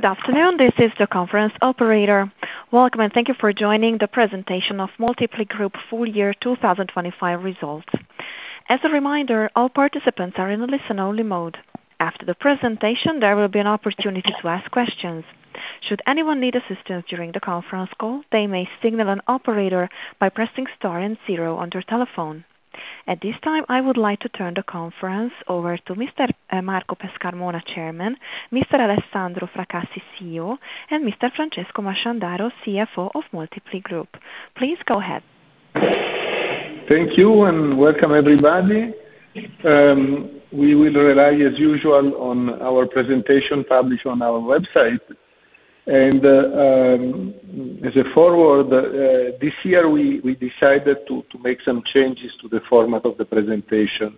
Good afternoon. This is the conference operator. Welcome, and thank you for joining the presentation of Moltiply Group full year 2025 results. As a reminder, all participants are in listen only mode. After the presentation, there will be an opportunity to ask questions. Should anyone need assistance during the conference call, they may signal an operator by pressing star and zero on their telephone. At this time, I would like to turn the conference over to Mr. Marco Pescarmona, Chairman, Mr. Alessandro Fracassi, CEO, and Mr. Francesco Masciandaro, CFO of Moltiply Group. Please go ahead. Thank you, and welcome everybody. We will rely as usual on our presentation published on our website. As a forward, this year, we decided to make some changes to the format of the presentation.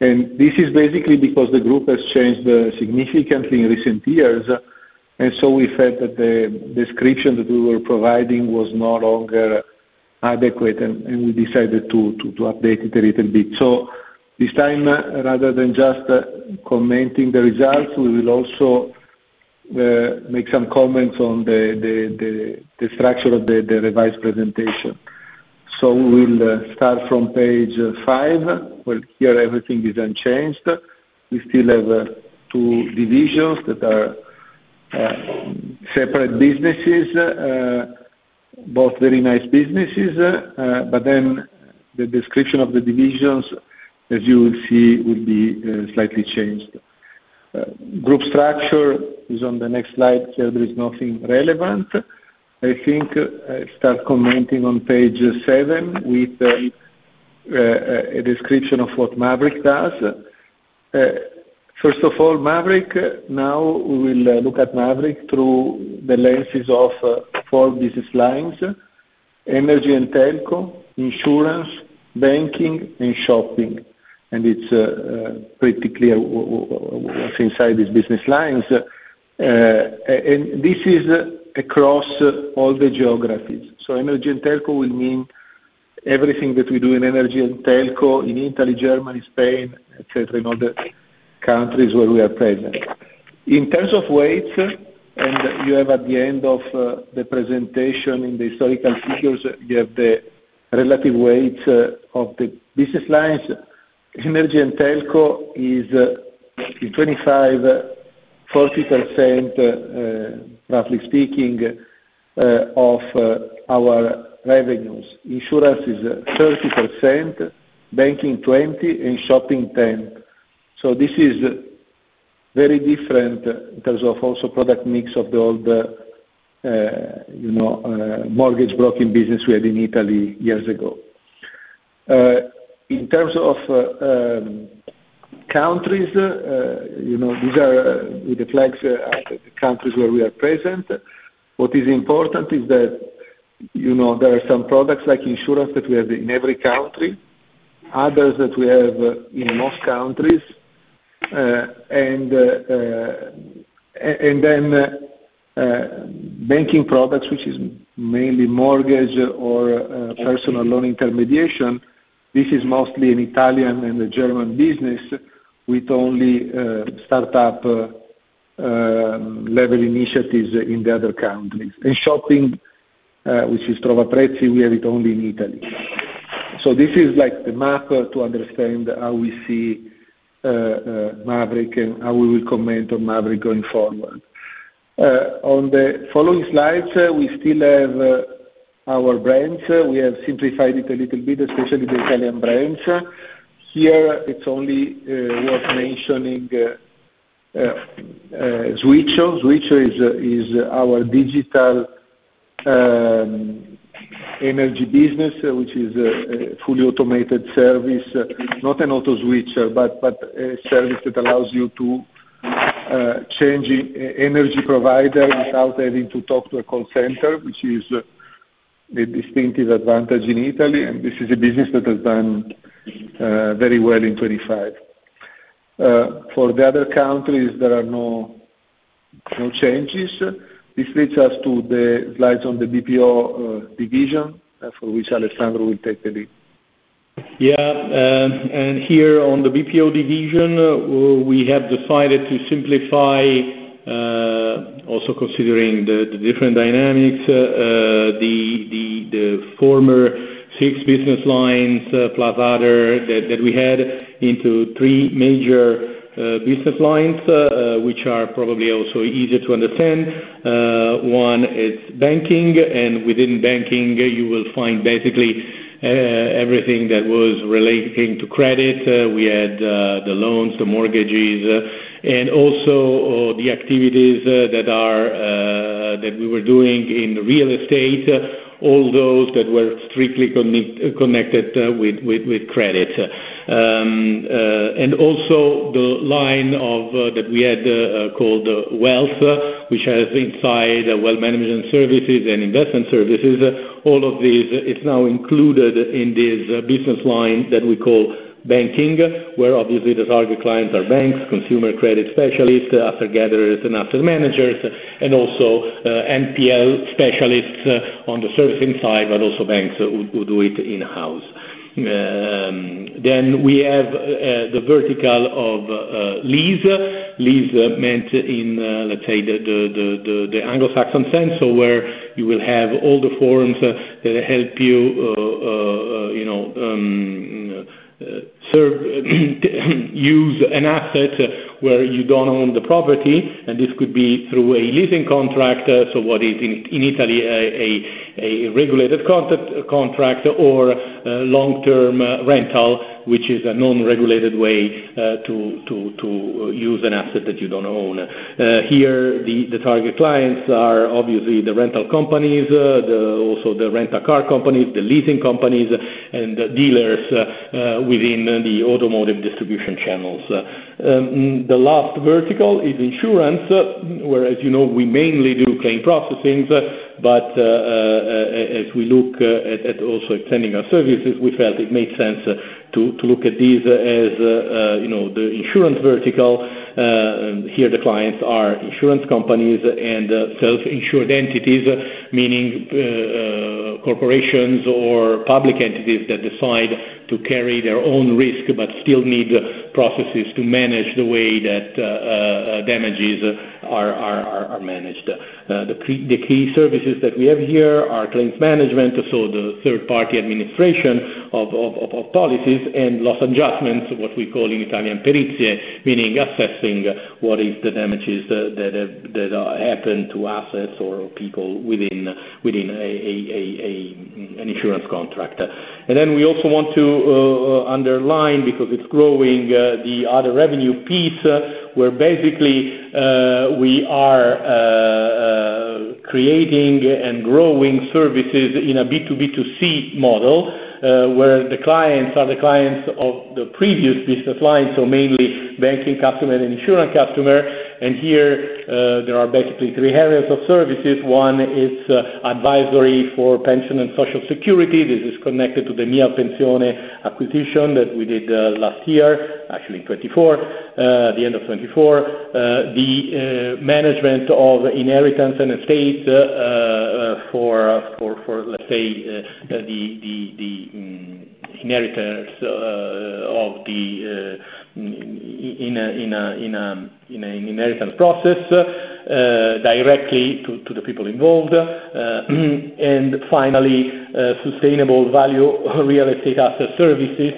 This is basically because the group has changed significantly in recent years, and so we felt that the description that we were providing was no longer adequate, and we decided to update it a little bit. This time, rather than just commenting the results, we will also make some comments on the structure of the revised presentation. We'll start from page five, where here everything is unchanged. We still have two divisions that are separate businesses, both very nice businesses. The description of the divisions, as you will see, will be slightly changed. Group structure is on the next slide, so there is nothing relevant. I think I start commenting on page seven with a description of what Mavriq does. First of all, Mavriq. Now, we will look at Mavriq through the lenses of four business lines, energy and telco, insurance, banking, and shopping. It's pretty clear what's inside these business lines. This is across all the geographies. Energy and telco will mean everything that we do in energy and telco in Italy, Germany, Spain, et cetera, in all the countries where we are present. In terms of weights, you have at the end of the presentation, in the historical figures, you have the relative weights of the business lines. Energy and telco is 25%-40%, roughly speaking, of our revenues. Insurance is 30%, banking 20%, and shopping 10%. This is very different in terms of also product mix of the old, you know, mortgage broking business we had in Italy years ago. In terms of countries, you know, these are, with the flags, the countries where we are present. What is important is that, you know, there are some products like insurance that we have in every country, others that we have in most countries. And then banking products, which is mainly mortgage or personal loan intermediation. This is mostly an Italian and a German business with only startup-level initiatives in the other countries. In shopping, which is Trovaprezzi, we have it only in Italy. This is like the map to understand how we see Mavriq, and how we will comment on Mavriq going forward. On the following slides, we still have our brands. We have simplified it a little bit, especially the Italian brands. Here it's only worth mentioning Switcho. Switcho is our digital energy business, which is a fully automated service, not an auto switcher, but a service that allows you to change energy provider without having to talk to a call center, which is a distinctive advantage in Italy, and this is a business that has done very well in 2025. For the other countries, there are no changes. This leads us to the slides on the BPO division, for which Alessandro will take the lead. Yeah. Here on the BPO division, we have decided to simplify, also considering the different dynamics, the former six business lines plus other that we had into three major business lines, which are probably also easier to understand. One is banking, and within banking you will find basically everything that was relating to credit. We had the loans, the mortgages, and also the activities that we were doing in real estate, all those that were strictly connected with credit. And also the line that we had called wealth, which has inside wealth management services and investment services. All of these is now included in this business line that we call banking, where obviously the target clients are banks, consumer credit specialists, asset gatherers and asset managers, and also NPL specialists on the servicing side, but also banks who do it in-house. Then we have the vertical of lease. Lease meant in, let's say the Anglo-Saxon sense, so where you will have all the forms that help you know, use an asset where you don't own the property, and this could be through a leasing contract. So what is in Italy a regulated contract or long-term rental, which is a non-regulated way to use an asset that you don't own. Here, the target clients are obviously the rental companies, the. Also the rent-a-car companies, the leasing companies and dealers within the automotive distribution channels. The last vertical is insurance, where, as you know, we mainly do claim processing. As we look at also extending our services, we felt it made sense to look at these as, you know, the insurance vertical. Here the clients are insurance companies and self-insured entities, meaning corporations or public entities that decide to carry their own risk but still need processes to manage the way that damages are managed. The key services that we have here are claims management, so the third-party administration of policies and loss adjustments, what we call in Italian perizia, meaning assessing what is the damages that happen to assets or people within an insurance contract. We also want to underline because it's growing, the other revenue piece, where basically we are creating and growing services in a B2B2C model, where the clients are the clients of the previous business line, so mainly banking customer and insurance customer. Here, there are basically three areas of services. One is advisory for pension and social security. This is connected to the MiaPensione acquisition that we did last year, actually in 2024, the end of 2024. The management of inheritance and estate, for, let's say, the inheritors of the in an inheritance process, directly to the people involved. Finally, sustainable value real estate asset services.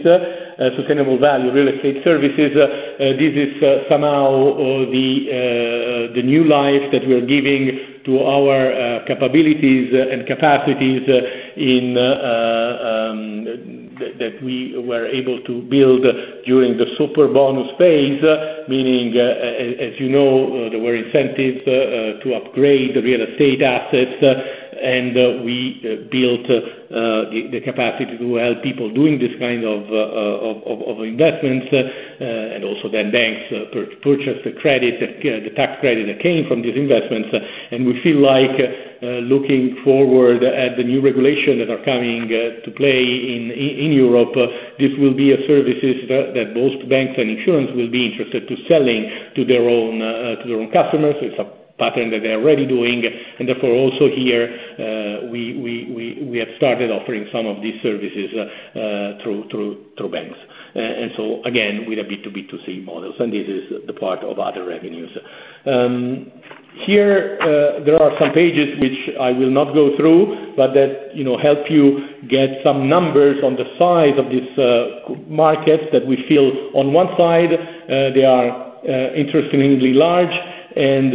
Sustainable value real estate services, this is somehow the new life that we are giving to our capabilities and capacities in that we were able to build during the Superbonus phase. Meaning, as you know, there were incentives to upgrade the real estate assets, and we built the capacity to help people doing these kind of investments. Also then banks purchase the credit, the tax credit that came from these investments. We feel like looking forward at the new regulations that are coming to play in Europe, this will be services that both banks and insurance will be interested in selling to their own customers. It's a pattern that they're already doing, and therefore also here we have started offering some of these services through banks. Again, with a B2B2C model, and this is the part of other revenues. Here there are some pages which I will not go through, but that you know help you get some numbers on the size of this market that we feel on one side they are interestingly large and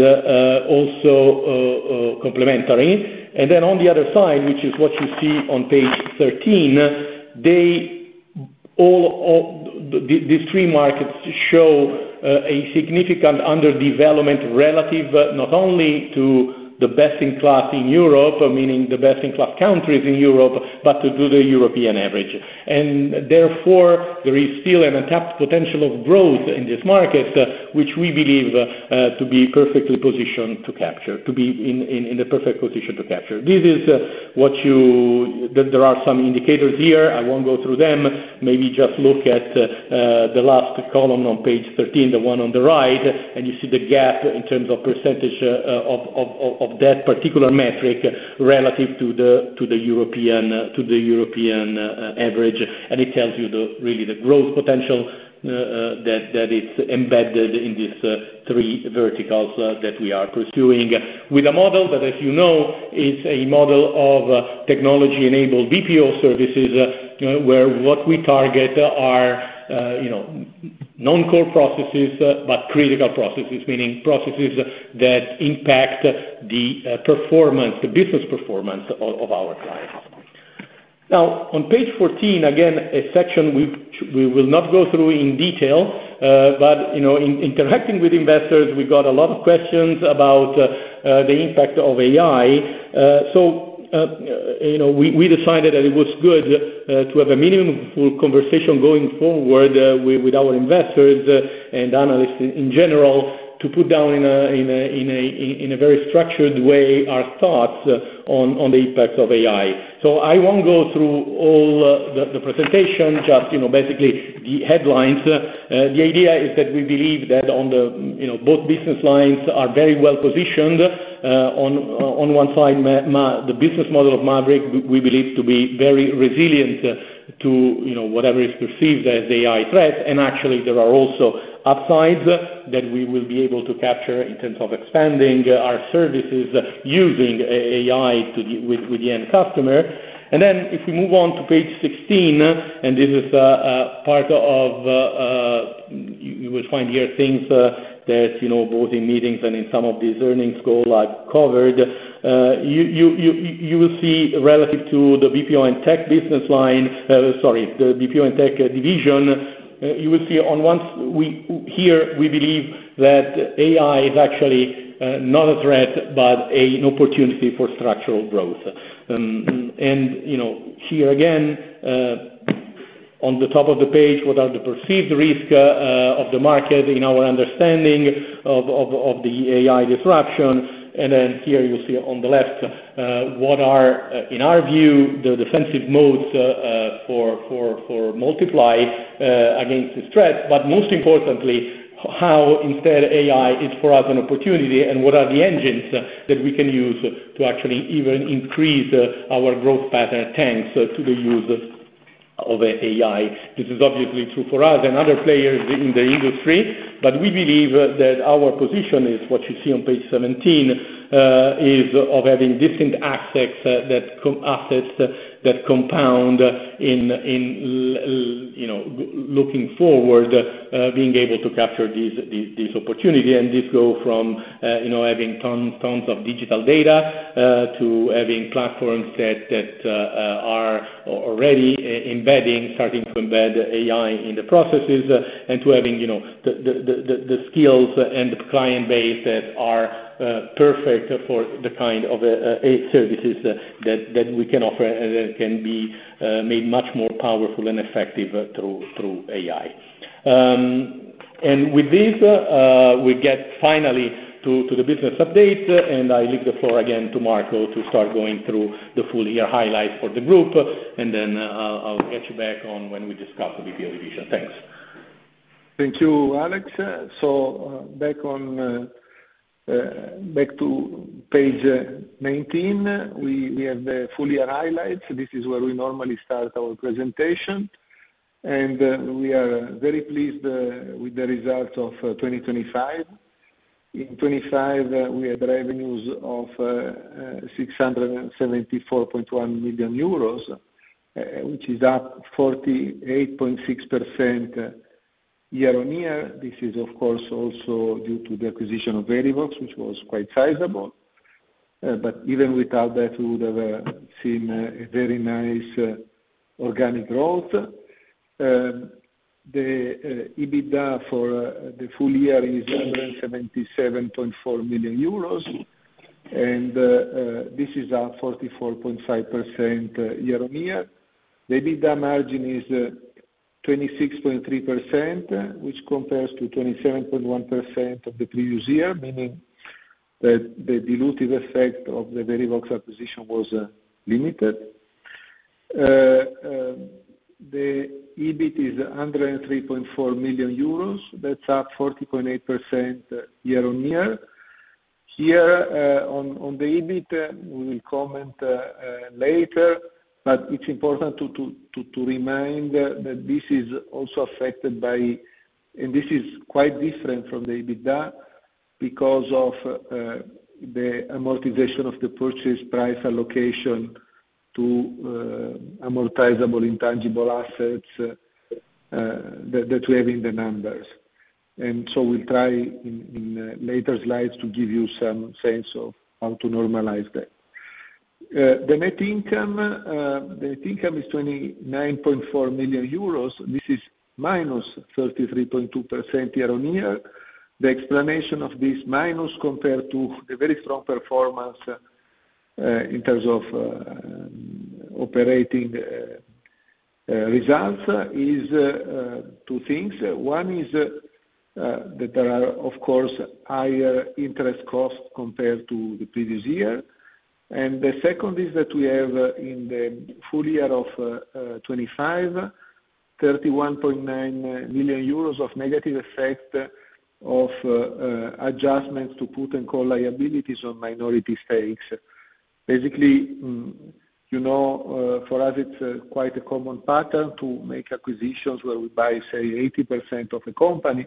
also complementary. Then on the other side, which is what you see on page 13, these three markets show a significant underdevelopment relative not only to the best-in-class in Europe, meaning the best-in-class countries in Europe, but to the European average. Therefore, there is still an untapped potential of growth in this market, which we believe to be in the perfect position to capture. There are some indicators here. I won't go through them. Maybe just look at the last column on page 13, the one on the right, and you see the gap in terms of percentage of that particular metric relative to the European average. It tells you, really, the growth potential that is embedded in these three verticals that we are pursuing. With a model that, as you know, is a model of technology-enabled BPO services, you know, where what we target are, you know, non-core processes, but critical processes, meaning processes that impact the performance, the business performance of our clients. Now, on page 14, again, a section we will not go through in detail, but, you know, in interacting with investors, we got a lot of questions about the impact of AI. You know, we decided that it was good to have a meaningful conversation going forward with our investors and analysts in general, to put down in a very structured way our thoughts on the impacts of AI. I won't go through all the presentation, just you know, basically the headlines. The idea is that we believe that you know, both business lines are very well-positioned. On one side, the business model of Mavriq, we believe to be very resilient to you know, whatever is perceived as AI threat. Actually, there are also upsides that we will be able to capture in terms of expanding our services using AI with the end customer. If we move on to page 16, this is part of. You will find here things that, you know, both in meetings and in some of these earnings call I've covered. You will see relative to the BPO and Tech business line. Sorry, the BPO and Tech division, you will see on one. Here, we believe that AI is actually not a threat, but an opportunity for structural growth. You know, here again, on the top of the page, what are the perceived risk of the market in our understanding of the AI disruption. Here you'll see on the left, what are in our view, the defensive modes for Moltiply against this threat, but most importantly, how instead AI is for us an opportunity and what are the engines that we can use to actually even increase our growth pattern thanks to the use of AI. This is obviously true for us and other players in the industry, but we believe that our position is what you see on page 17, is of having different assets that compound in looking forward, you know, being able to capture these opportunities. This goes from, you know, having tons of digital data to having platforms that are already starting to embed AI in the processes, and to having, you know, the skills and the client base that are perfect for the kind of services that we can offer and that can be made much more powerful and effective through AI. With this, we finally get to the business update, and I leave the floor again to Marco to start going through the full year highlights for the group. Then I'll get you back on when we discuss the BPO division. Thanks. Thank you, Alex. Back to page 19, we have the full year highlights. This is where we normally start our presentation. We are very pleased with the results of 2025. In 2025, we had revenues of 674.1 million euros, which is up 48.6% year-on-year. This is of course also due to the acquisition of Verivox, which was quite sizable. Even without that, we would have seen a very nice organic growth. The EBITDA for the full year is 77.4 million euros, and this is up 44.5% year-on-year. The EBITDA margin is 26.3%, which compares to 27.1% of the previous year, meaning that the dilutive effect of the Verivox acquisition was limited. The EBIT is 103.4 million euros. That's up 40.8% year-on-year. Here, on the EBIT, we will comment later, but it's important to remind that this is also affected by. This is quite different from the EBITDA because of the amortization of the purchase price allocation to amortizable intangible assets that we have in the numbers. We'll try in later slides to give you some sense of how to normalize that. The net income is 29.4 million euros. This is -33.2% year-on-year. The explanation of this minus compared to the very strong performance in terms of operating results is two things. One is that there are, of course, higher interest costs compared to the previous year. The second is that we have in the full year of 2025, 31.9 million euros of negative effect of adjustments to put and call liabilities on minority stakes. Basically, you know, for us it's quite a common pattern to make acquisitions where we buy, say, 80% of the company,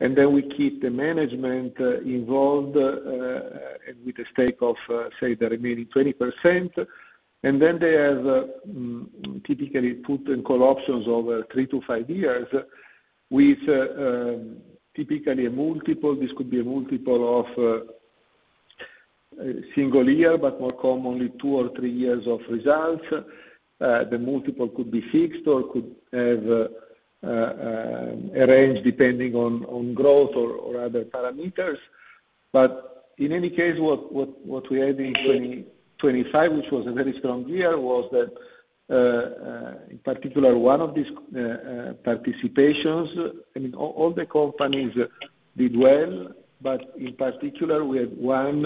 and then we keep the management involved and with the stake of, say, the remaining 20%. They have typically put and call options over 3-5 years with typically a multiple. This could be a multiple of a single year, but more commonly two or three years of results. The multiple could be fixed or could have a range depending on growth or other parameters. In any case, what we had in 2025, which was a very strong year, was that in particular one of these participations. I mean, all the companies did well, but in particular, we had one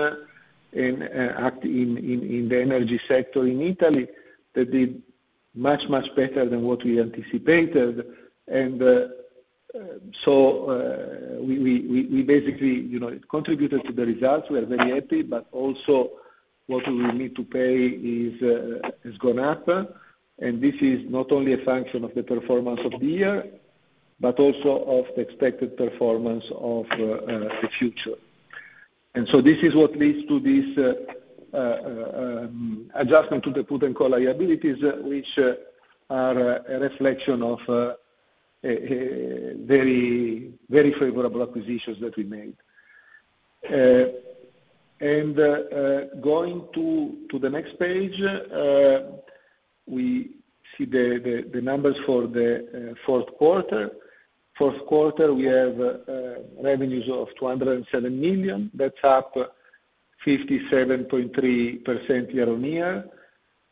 in the energy sector in Italy that did much better than what we anticipated. We basically, you know, it contributed to the results. We are very happy, but also what we will need to pay has gone up. This is not only a function of the performance of the year, but also of the expected performance of the future. This is what leads to this adjustment to the put and call liabilities, which are a reflection of a very favorable acquisitions that we made. Going to the next page, we see the numbers for the fourth quarter. Fourth quarter, we have revenues of 207 million. That's up 57.3% year-on-year.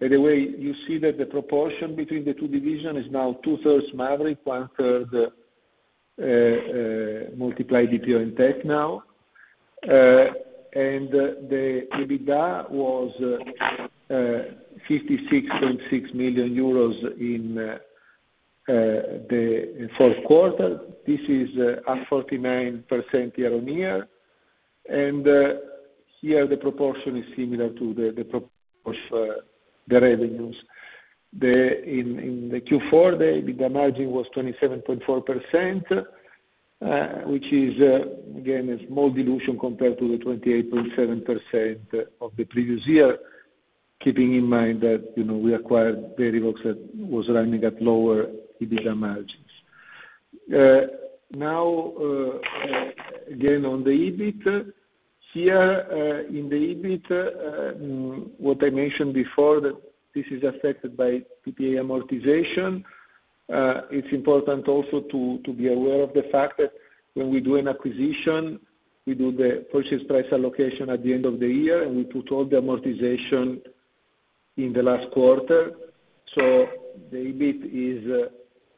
By the way, you see that the proportion between the two divisions is now two-thirds Mavriq, one-third Moltiply BPO and Tech. The EBITDA was 56.6 million euros in the fourth quarter. This is up 49% year-on-year. Here the proportion is similar to the proportion of the revenues. In the Q4, the EBITDA margin was 27.4%, which is again a small dilution compared to the 28.7% of the previous year, keeping in mind that, you know, we acquired Verivox that was running at lower EBITDA margins. Now, again, on the EBIT. Here, in the EBIT, what I mentioned before that this is affected by PPA amortization. It's important also to be aware of the fact that when we do an acquisition, we do the purchase price allocation at the end of the year, and we put all the amortization in the last quarter. The EBIT is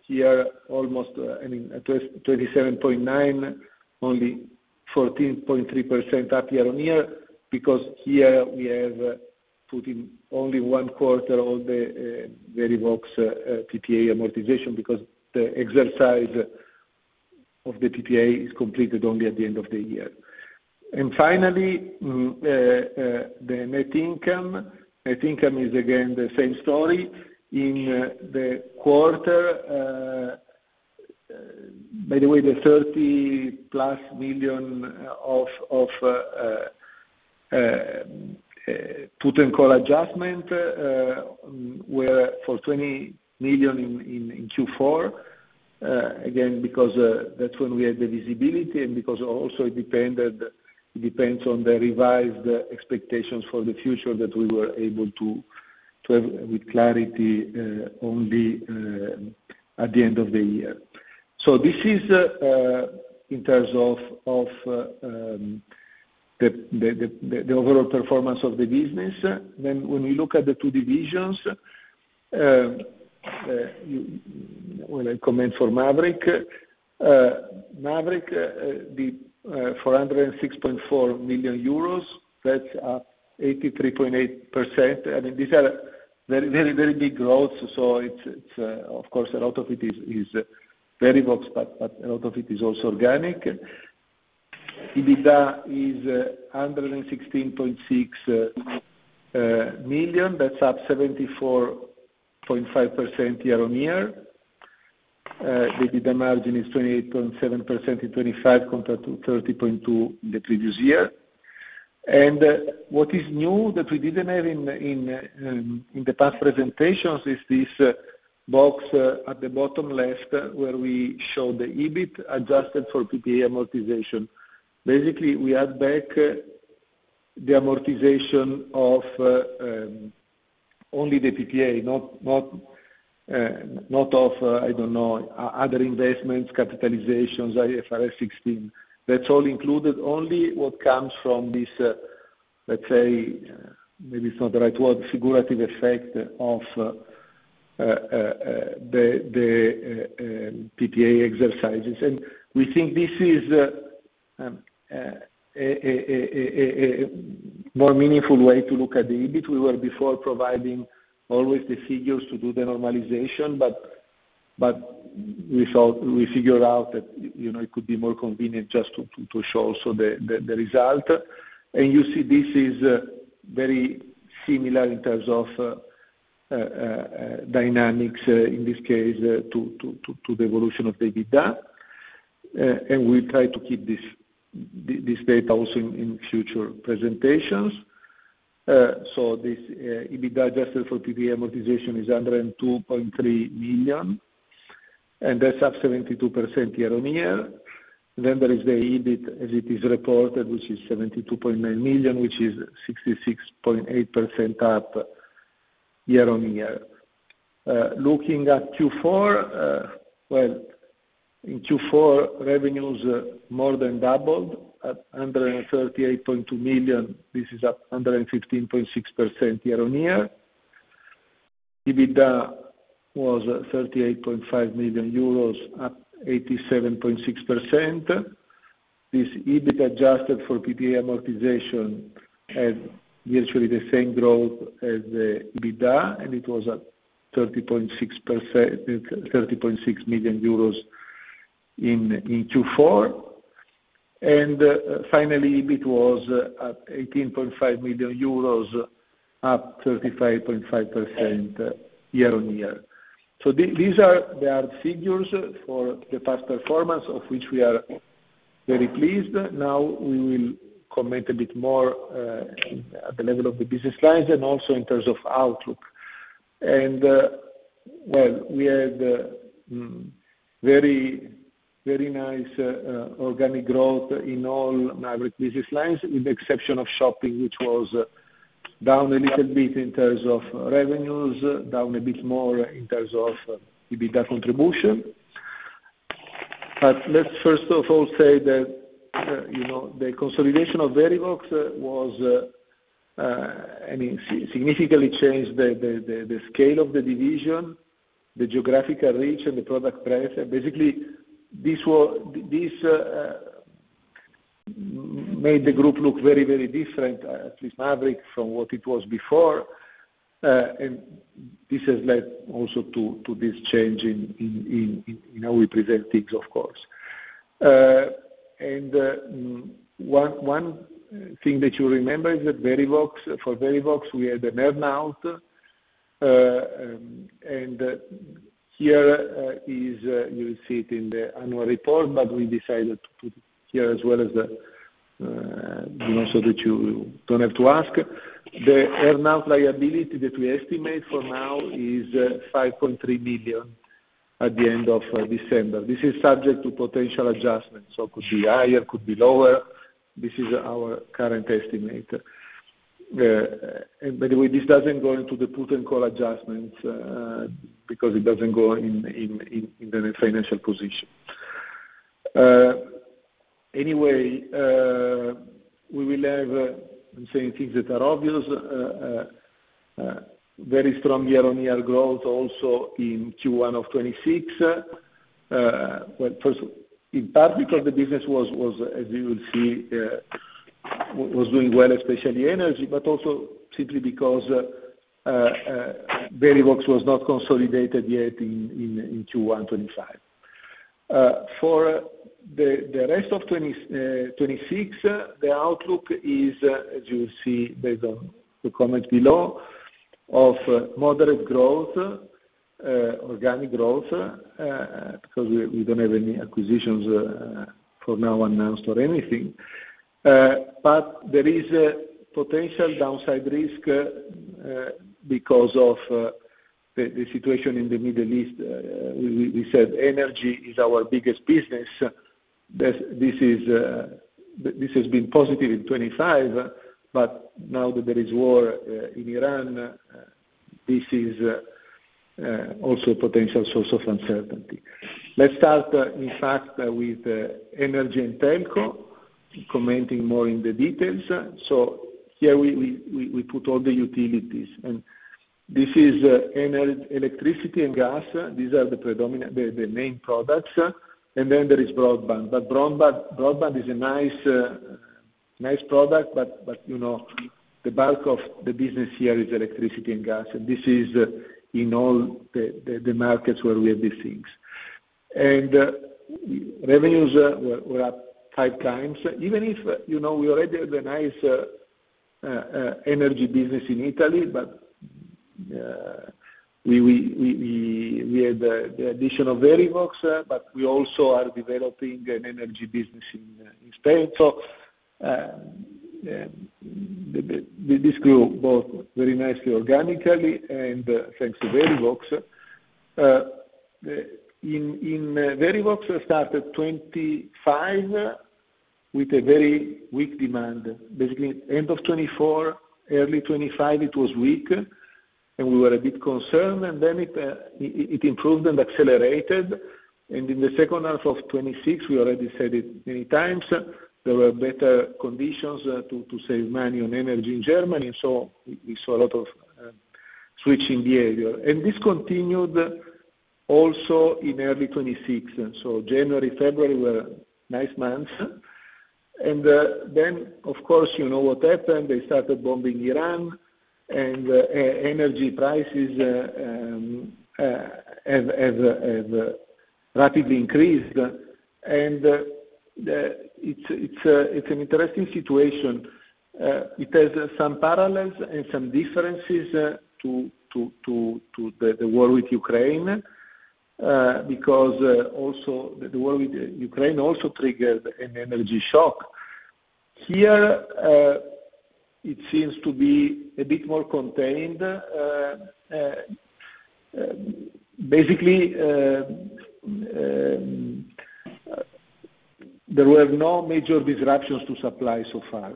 here almost, I mean, at 27.9, only 14.3% up year-on-year because here we have put in only one quarter all the Verivox PPA amortization because the exercise of the PPA is completed only at the end of the year. Finally, the net income. Net income is again the same story. In the quarter, by the way, the 30+ million of put and call adjustment were for 20 million in Q4, again, because that's when we had the visibility and because also it depends on the revised expectations for the future that we were able to have with clarity only at the end of the year. This is in terms of the overall performance of the business. When we look at the two divisions, when I comment on Mavriq. Mavriq, the EUR 406.4 million, that's up 83.8%. I mean, these are very big growth. It's of course a lot of it is Verivox, but a lot of it is also organic. EBITDA is 116.6 million. That's up 74.5% year on year. The EBITDA margin is 28.7% in 2025 compared to 30.2% the previous year. What is new that we didn't have in the past presentations is this box at the bottom left, where we show the EBIT adjusted for PPA amortization. Basically, we add back the amortization of only the PPA, not of, I don't know, other investments, capitalizations, IFRS 16. That's all included. Only what comes from this, let's say, maybe it's not the right word, figurative effect of the PPA exercises. We think this is a more meaningful way to look at the EBIT. We were before providing always the figures to do the normalization, but we figured out that, you know, it could be more convenient just to show also the result. You see this is very similar in terms of dynamics, in this case, to the evolution of the EBITDA. We try to keep this data also in future presentations. This EBIT adjusted for PPA amortization is 102.3 million, and that's up 72% year-on-year. There is the EBIT as it is reported, which is 72.9 million, which is 66.8% up year-on-year. Looking at Q4, in Q4, revenues more than doubled at 138.2 million. This is up 115.6% year-on-year. EBITDA was 38.5 million euros, up 87.6%. This EBIT adjusted for PPA amortization had virtually the same growth as the EBITDA, and it was at 30.6 million euros in Q4. Finally, EBIT was at 18.5 million euros. Up 35.5% year-on-year. These are figures for the past performance of which we are very pleased. Now we will comment a bit more at the level of the business lines and also in terms of outlook. We had very, very nice organic growth in all Mavriq business lines, with the exception of shopping, which was down a little bit in terms of revenues, down a bit more in terms of EBITDA contribution. Let's first of all say that, you know, the consolidation of Verivox was, I mean, significantly changed the scale of the division, the geographical reach, and the product price. Basically, this made the group look very, very different, at least Mavriq, from what it was before. This has led also to this change in how we present things, of course. One thing that you remember is that Verivox, we had an earn-out, and here, you will see it in the annual report, but we decided to put it here as well as the, you know, so that you don't have to ask. The earn-out liability that we estimate for now is 5.3 million at the end of December. This is subject to potential adjustments, so could be higher, could be lower. This is our current estimate. By the way, this doesn't go into the put and call adjustments, because it doesn't go in the net financial position. Anyway, we will have, I'm saying things that are obvious, very strong year-on-year growth also in Q1 of 2026. Well, first in part because the business was, as you will see, was doing well, especially energy, but also simply because, Verivox was not consolidated yet in Q1 2025. For the rest of 2026, the outlook is, as you'll see based on the comment below, of moderate growth, organic growth, because we don't have any acquisitions, for now announced or anything. There is a potential downside risk, because of the situation in the Middle East. We said energy is our biggest business. This has been positive in 2025, but now that there is war in Iran, this is also a potential source of uncertainty. Let's start, in fact, with energy and telco, commenting more in the details. Here we put all the utilities, and this is electricity and gas. These are the predominant, the main products, and then there is broadband. Broadband is a nice product, but you know, the bulk of the business here is electricity and gas, and this is in all the markets where we have these things. Revenues were up 5 times. Even if, you know, we already have a nice energy business in Italy, but we had the addition of Verivox, but we also are developing an energy business in Spain. This grew both very nicely organically and thanks to Verivox. In 2025, Verivox started with a very weak demand. Basically, end of 2024, early 2025, it was weak, and we were a bit concerned, and then it improved and accelerated. In the second half of 2026, we already said it many times, there were better conditions to save money on energy in Germany, and so we saw a lot of switching behavior. This continued also in early 2026. Then, of course, you know what happened. They started bombing Iran, and energy prices have rapidly increased. It's an interesting situation. It has some parallels and some differences to the war with Ukraine because the war with Ukraine triggered an energy shock. Here it seems to be a bit more contained. Basically there were no major disruptions to supply so far.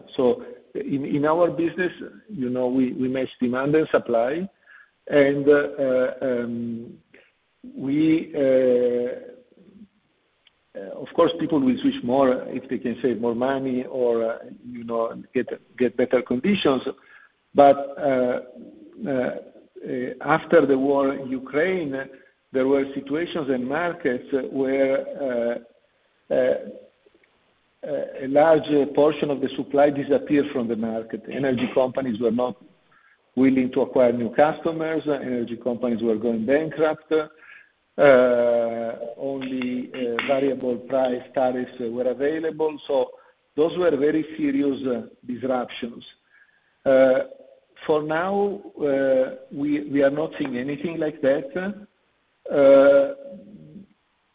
In our business, you know, we match demand and supply. Of course people will switch more if they can save more money or you know get better conditions. After the war in Ukraine there were situations in markets where a large portion of the supply disappeared from the market. Energy companies were not willing to acquire new customers. Energy companies were going bankrupt. Only variable price tariffs were available. Those were very serious disruptions. For now, we are not seeing anything like that.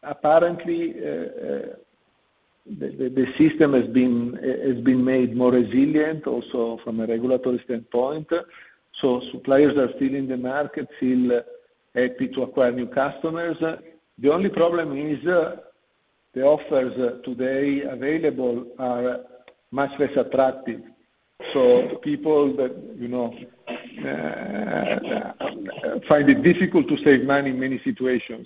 Apparently, the system has been made more resilient also from a regulatory standpoint. Suppliers are still in the market, still happy to acquire new customers. The only problem is the offers today available are much less attractive. People that, you know, find it difficult to save money in many situations.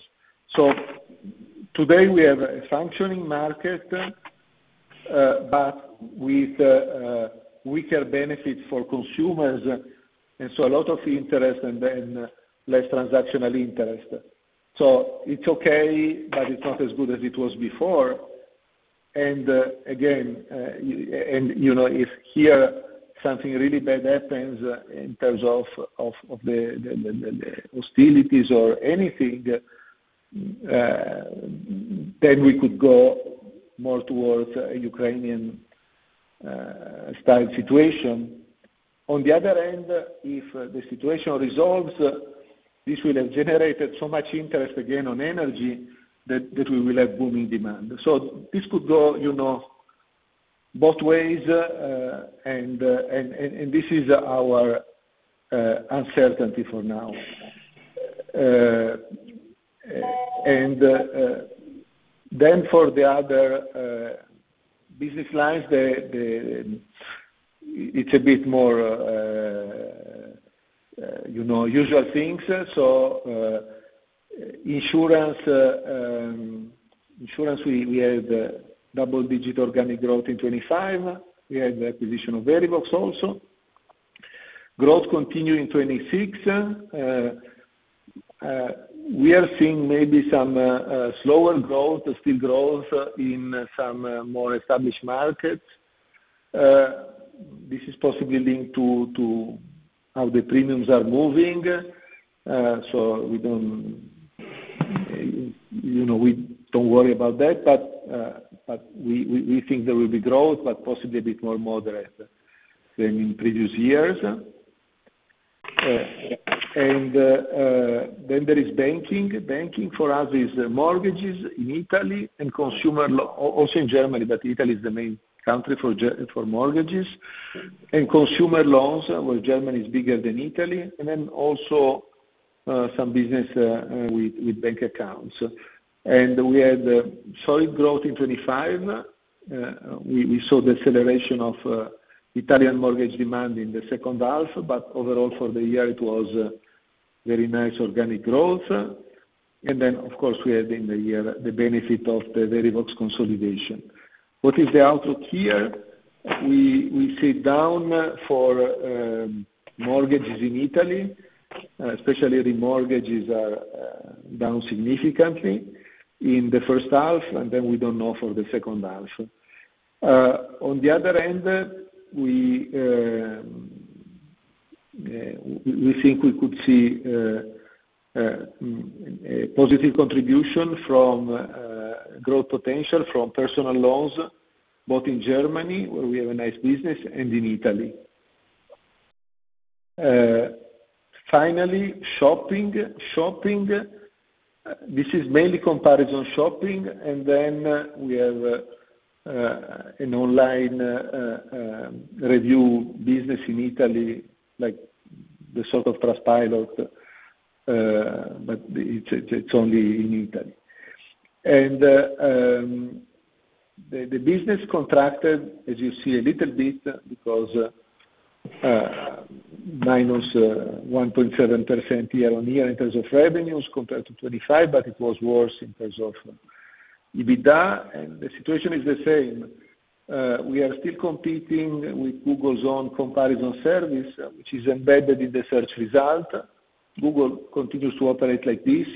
Today we have a functioning market, but with weaker benefits for consumers, and so a lot of interest and then less transactional interest. It's okay, but it's not as good as it was before. Again, you know, if here something really bad happens in terms of the hostilities or anything, then we could go more towards a Ukrainian style situation. On the other hand, if the situation resolves, this will have generated so much interest again on energy that we will have booming demand. This could go, you know, both ways. And this is our uncertainty for now. Then for the other business lines, it's a bit more, you know, usual things. Insurance, we had double-digit organic growth in 2025. We had the acquisition of Verivox also. Growth continued in 2026. We are seeing maybe some slower growth, but still growth in some more established markets. This is possibly linked to how the premiums are moving. So we don't, you know, we don't worry about that, but we think there will be growth, but possibly a bit more moderate than in previous years. Then there is banking. Banking for us is mortgages in Italy and consumer loans also in Germany, but Italy is the main country for mortgages, and consumer loans, where Germany is bigger than Italy, and then also some business with bank accounts. We had solid growth in 2025. We saw deceleration of Italian mortgage demand in the second half. Overall for the year, it was very nice organic growth. Then, of course, we had in the year the benefit of the Verivox consolidation. What is the outlook here? We see downturn for mortgages in Italy, especially remortgages are down significantly in the first half, and then we don't know for the second half. On the other hand, we think we could see a positive contribution from growth potential from personal loans, both in Germany, where we have a nice business, and in Italy. Finally, shopping. This is mainly comparison shopping. We have an online review business in Italy, like the sort of Trustpilot, but it's only in Italy. The business contracted, as you see, a little bit because minus 1.7% year-over-year in terms of revenues compared to 2025, but it was worse in terms of EBITDA, and the situation is the same. We are still competing with Google's own comparison service, which is embedded in the search result. Google continues to operate like this,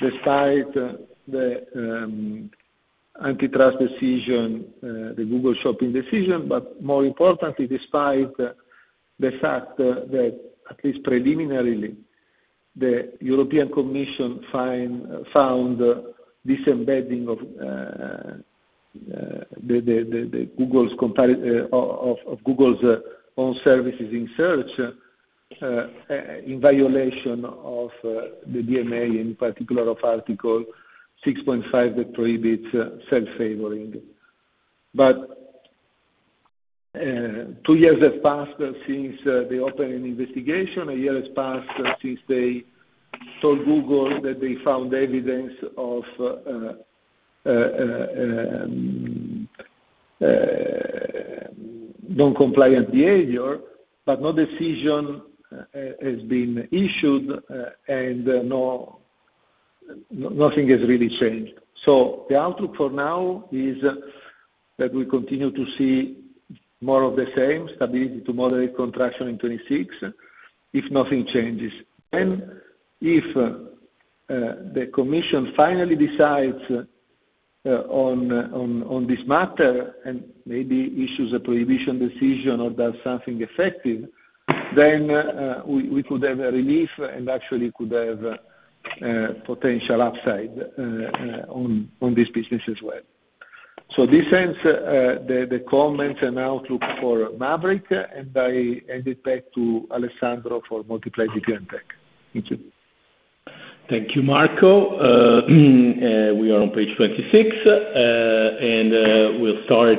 despite the antitrust decision, the Google Shopping decision, but more importantly, despite the fact that at least preliminarily, the European Commission found this embedding of Google's own services in Search in violation of the DMA, in particular of Article 6(5) that prohibits self-preferencing. Two years have passed since the opening investigation. A year has passed since they told Google that they found evidence of noncompliant behavior, but no decision has been issued, and nothing has really changed. The outlook for now is that we continue to see more of the same, stability to moderate contraction in 2026, if nothing changes. If the commission finally decides on this matter and maybe issues a prohibition decision or does something effective, we could have a relief and actually could have potential upside on this business as well. This ends the comments and outlook for Mavriq, and I hand it back to Alessandro for Moltiply BPO and Tech. Thank you. Thank you, Marco. We are on page 26, and we'll start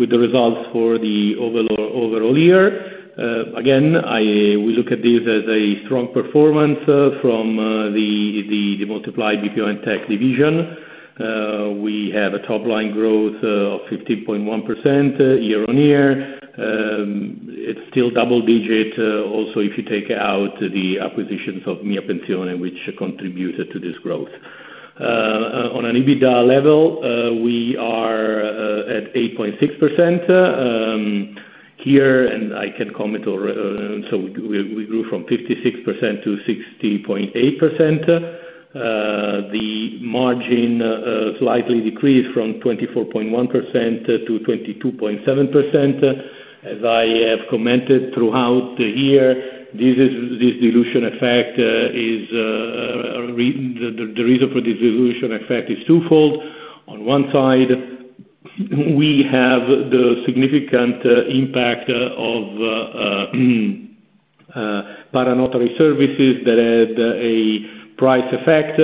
with the results for the overall year. Again, we look at this as a strong performance from the Moltiply BPO and Tech division. We have a top line growth of 15.1% year-on-year. It's still double-digit, also if you take out the acquisitions of MiaPensione, which contributed to this growth. On an EBITDA level, we are at 8.6%. We grew from 56% to 60.8%. The margin slightly decreased from 24.1% to 22.7%. As I have commented throughout the year, the reason for this dilution effect is twofold. On one side, we have the significant impact of notary services that had a price effect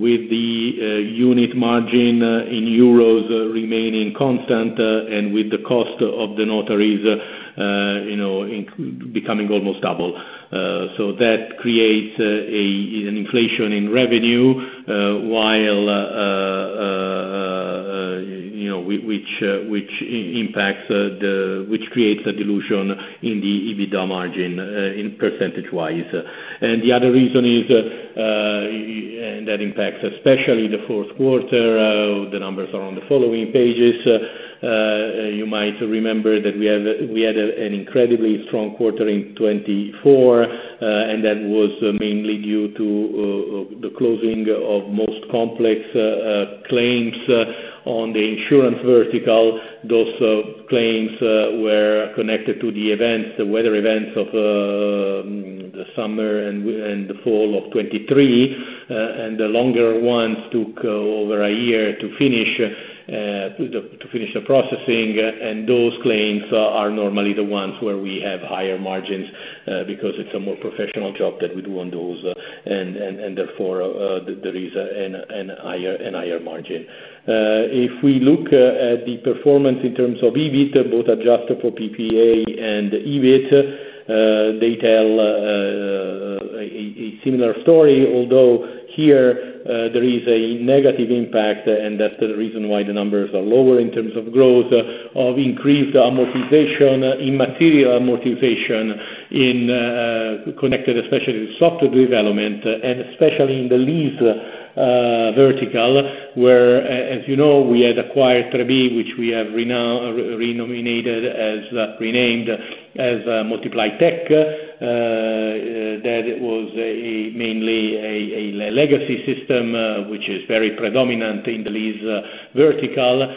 with the unit margin in euros remaining constant, and with the cost of the notaries, you know, becoming almost double. That creates an inflation in revenue while, you know, which creates a dilution in the EBITDA margin percentage-wise. The other reason is, and that impacts especially the fourth quarter. The numbers are on the following pages. You might remember that we had an incredibly strong quarter in 2024, and that was mainly due to the closing of most complex claims on the insurance vertical. Those claims were connected to the events, the weather events of the summer and the fall of 2023. The longer ones took over a year to finish the processing. Those claims are normally the ones where we have higher margins, because it's a more professional job that we do on those. Therefore, there is a higher margin. If we look at the performance in terms of EBIT, both adjusted for PPA and EBIT, they tell a similar story, although here, there is a negative impact, and that's the reason why the numbers are lower in terms of growth, of increased amortization, immaterial amortization in, connected especially with software development, and especially in the lease vertical, where as you know, we had acquired Trebi, which we have renamed as Moltiply Tech. That was mainly a legacy system which is very predominant in the lease vertical.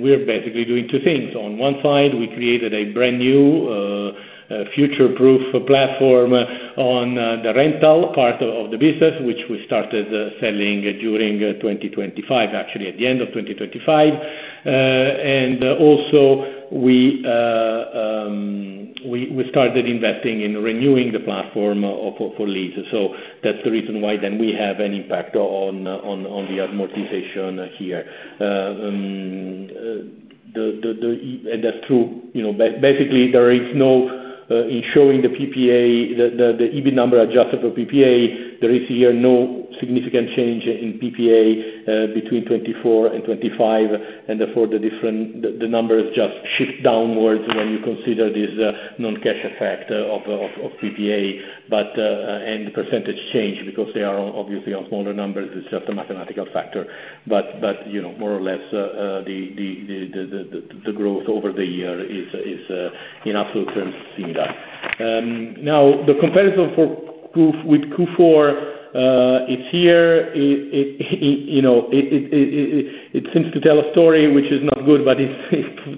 We're basically doing two things. On one side, we created a brand new future-proof platform on the rental part of the business, which we started selling during 2025, actually at the end of 2025. We started investing in renewing the platform for lease. That's the reason why we have an impact on the amortization here. That's true. You know, basically, in showing the PPA, the EBITDA number adjusted for PPA, there is no significant change in PPA between 2024 and 2025, and therefore, the different numbers just shift downwards when you consider this non-cash effect of PPA. The percentage change because they are obviously on smaller numbers, it's just a mathematical factor. You know, more or less, the growth over the year is in absolute terms similar. Now the comparison with Q4 is here. It you know seems to tell a story which is not good, but it's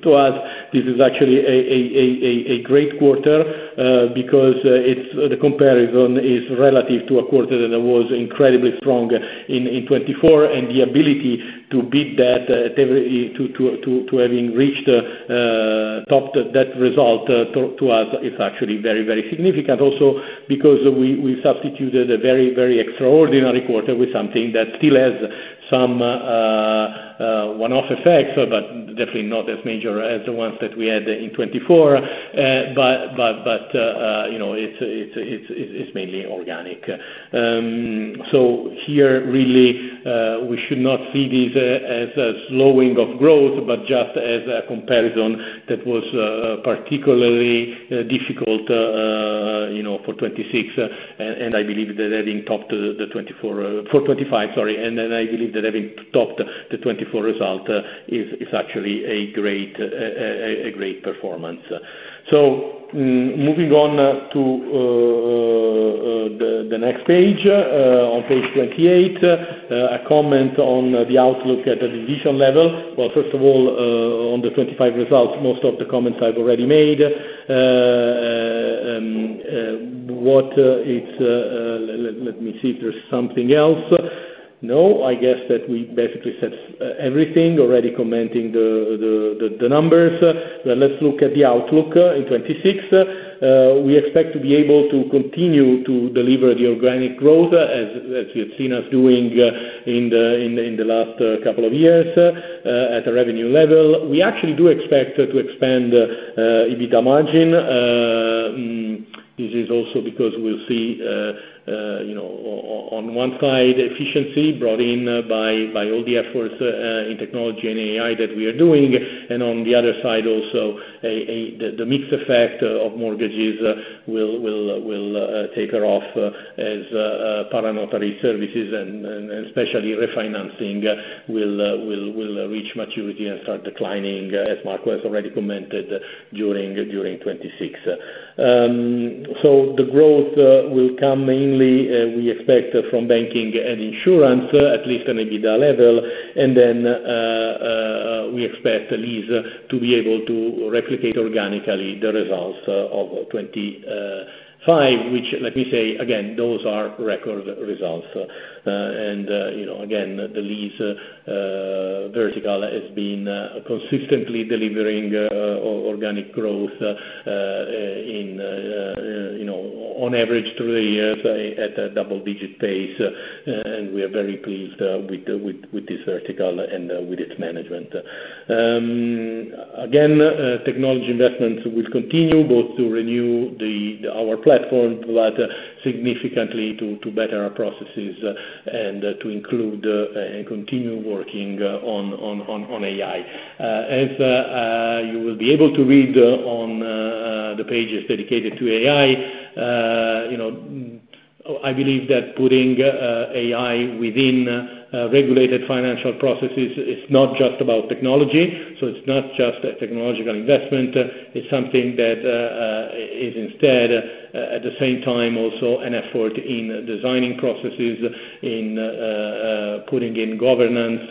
to us, this is actually a great quarter, because it's the comparison is relative to a quarter that was incredibly strong in 2024. The ability to beat that to having reached topped that result to us is actually very significant. Also because we substituted a very extraordinary quarter with something that still has some one-off effects, but definitely not as major as the ones that we had in 2024. You know, it's mainly organic. Here, really, we should not see this as a slowing of growth, but just as a comparison that was particularly difficult, you know, for 2026. I believe that having topped the 2024 result for 2025, sorry. I believe that having topped the 2024 result is actually a great performance. Moving on to the next page. On page 28, a comment on the outlook at the division level. First of all, on the 2025 results, most of the comments I've already made. What is, let me see if there's something else. No, I guess that we basically said everything already commenting the numbers. Let's look at the outlook in 2026. We expect to be able to continue to deliver the organic growth as you've seen us doing in the last couple of years at a revenue level. We actually do expect to expand EBITDA margin. This is also because we'll see you know on one side efficiency brought in by all the efforts in technology and AI that we are doing. On the other side also the mixed effect of mortgages will taper off as para-notary services and especially refinancing will reach maturity and start declining, as Marco has already commented during 2026. The growth will come mainly we expect from banking and insurance, at least on EBITDA level. We expect Lease to be able to replicate organically the results of 2025, which let me say again, those are record results. You know, again, the Lease vertical has been consistently delivering organic growth, you know, on average through the years at a double-digit pace. We are very pleased with this vertical and with its management. Technology investments will continue both to renew our platform, but significantly to better our processes and to include and continue working on AI. As you will be able to read on the pages dedicated to AI, you know, I believe that putting AI within regulated financial processes is not just about technology. It's not just a technological investment, it's something that is instead, at the same time also an effort in designing processes, in putting in governance,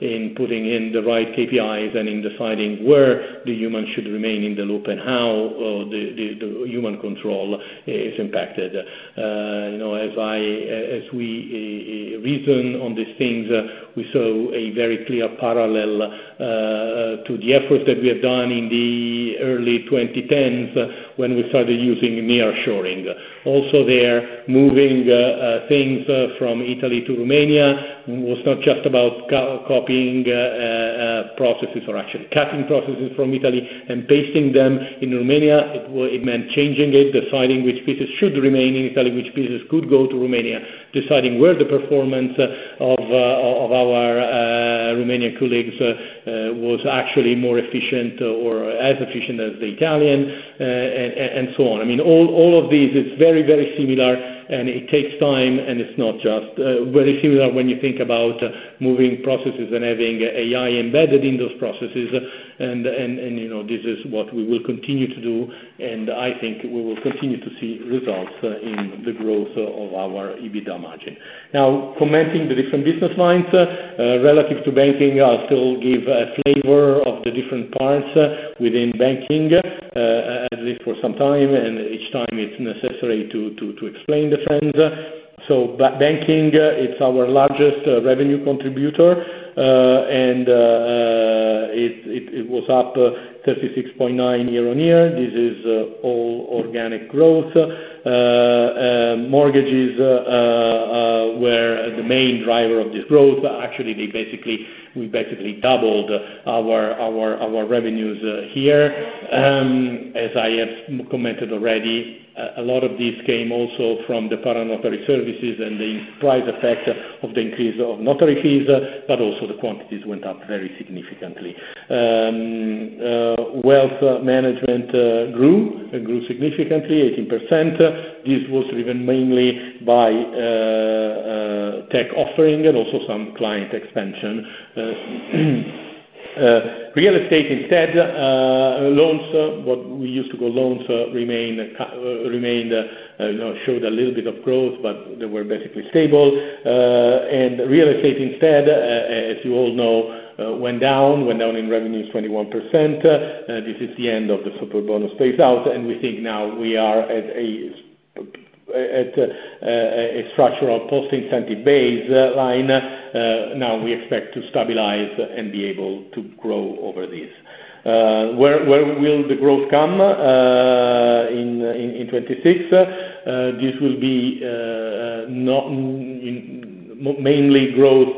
in putting in the right KPIs, and in deciding where the human should remain in the loop and how the human control is impacted. You know, as we reason on these things, we saw a very clear parallel to the efforts that we have done in the early 2010s when we started using nearshoring. There, moving things from Italy to Romania was not just about copying processes or actually cutting processes from Italy and pasting them in Romania. It meant changing it, deciding which pieces should remain in Italy, which pieces could go to Romania, deciding where the performance of our Romanian colleagues was actually more efficient or as efficient as the Italian, and so on. I mean, all of these, it's very similar, and it takes time, and it's not just very similar when you think about moving processes and having AI embedded in those processes. You know, this is what we will continue to do, and I think we will continue to see results in the growth of our EBITDA margin. Now, commenting the different business lines relative to banking, I'll still give a flavor of the different parts within banking, as if for some time and each time it's necessary to explain the trends. Banking, it's our largest revenue contributor. It was up 36.9% year-on-year. This is all organic growth. Mortgages were the main driver of this growth. Actually, we basically doubled our revenues here. As I have commented already, a lot of this came also from the para-notary services and the price effect of the increase of notary fees, but also the quantities went up very significantly. Wealth management grew significantly 18%. This was driven mainly by tech offering and also some client expansion. Real estate instead, loans, what we used to call loans, remained, you know, showed a little bit of growth, but they were basically stable. Real estate instead, as you all know, went down in revenues 21%. This is the end of the Superbonus phase out, and we think now we are at a structural post incentive base line. Now we expect to stabilize and be able to grow over this. Where will the growth come in 2026? This will be mainly growth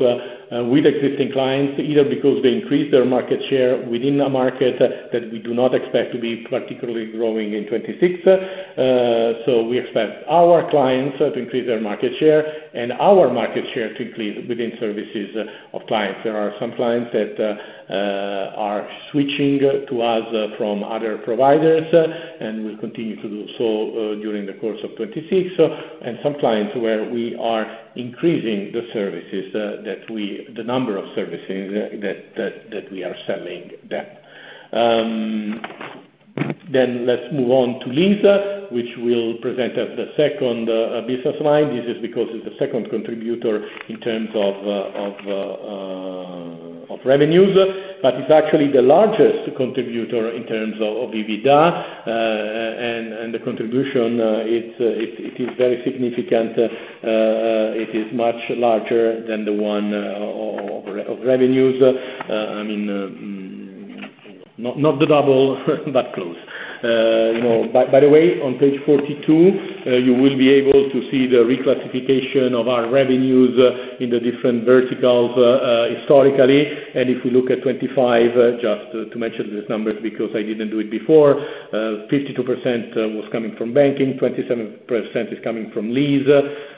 with existing clients, either because they increase their market share within a market that we do not expect to be particularly growing in 2026. We expect our clients to increase their market share and our market share to increase within services of clients. There are some clients that are switching to us from other providers, and we'll continue to do so during the course of 2026. Some clients where we are increasing the services, the number of services that we are selling them. Let's move on to Lease, which will present as the second business line. This is because it's the second contributor in terms of revenues. It's actually the largest contributor in terms of EBITDA, and the contribution, it is very significant. It is much larger than the one of revenues. I mean, not the double, but close. You know, by the way, on page 42, you will be able to see the reclassification of our revenues in the different verticals, historically. If you look at 25, just to mention these numbers because I didn't do it before, 52% was coming from banking, 27% is coming from lease,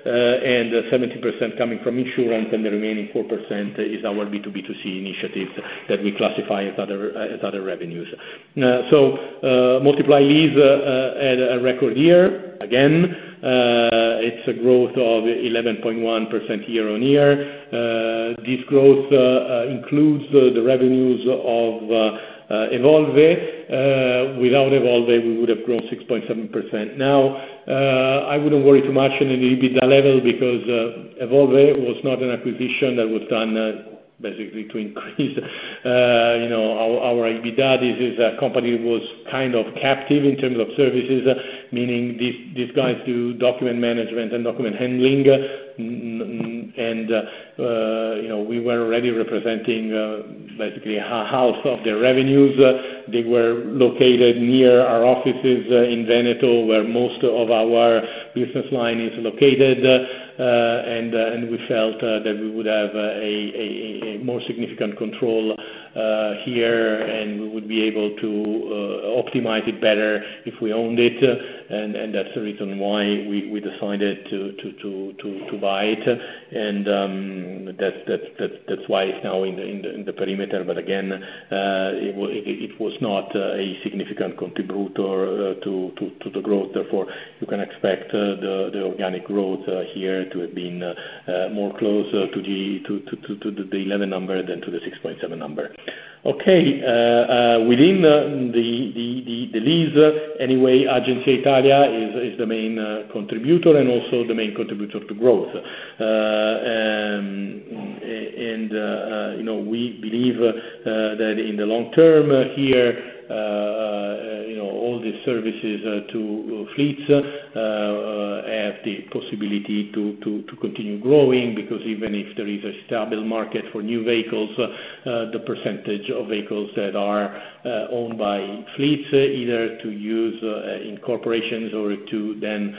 and 17% coming from insurance, and the remaining 4% is our B2B2C initiatives that we classify as other revenues. Moltiply Lease at a record year. Again, it's a growth of 11.1% year-on-year. This growth includes the revenues of Evolve. Without Evolve, we would have grown 6.7%. Now, I wouldn't worry too much in the EBITDA level because Evolve was not an acquisition that was done basically to increase, you know, our EBITDA. This is a company was kind of captive in terms of services, meaning these guys do document management and document handling. You know, we were already representing basically half of their revenues. They were located near our offices in Veneto, where most of our business line is located. We felt that we would have a more significant control here, and we would be able to optimize it better if we owned it. That's the reason why we decided to buy it. That's why it's now in the perimeter. Again, it was not a significant contributor to the growth. Therefore, you can expect the organic growth here to have been more closer to the 11% than to the 6.7% number. Okay, within these, anyway, Agenzia Italia is the main contributor and also the main contributor to growth. You know, we believe that in the long-term here, you know, all these services to fleets have the possibility to continue growing, because even if there is a stable market for new vehicles, the percentage of vehicles that are owned by fleets, either to use in corporations or to then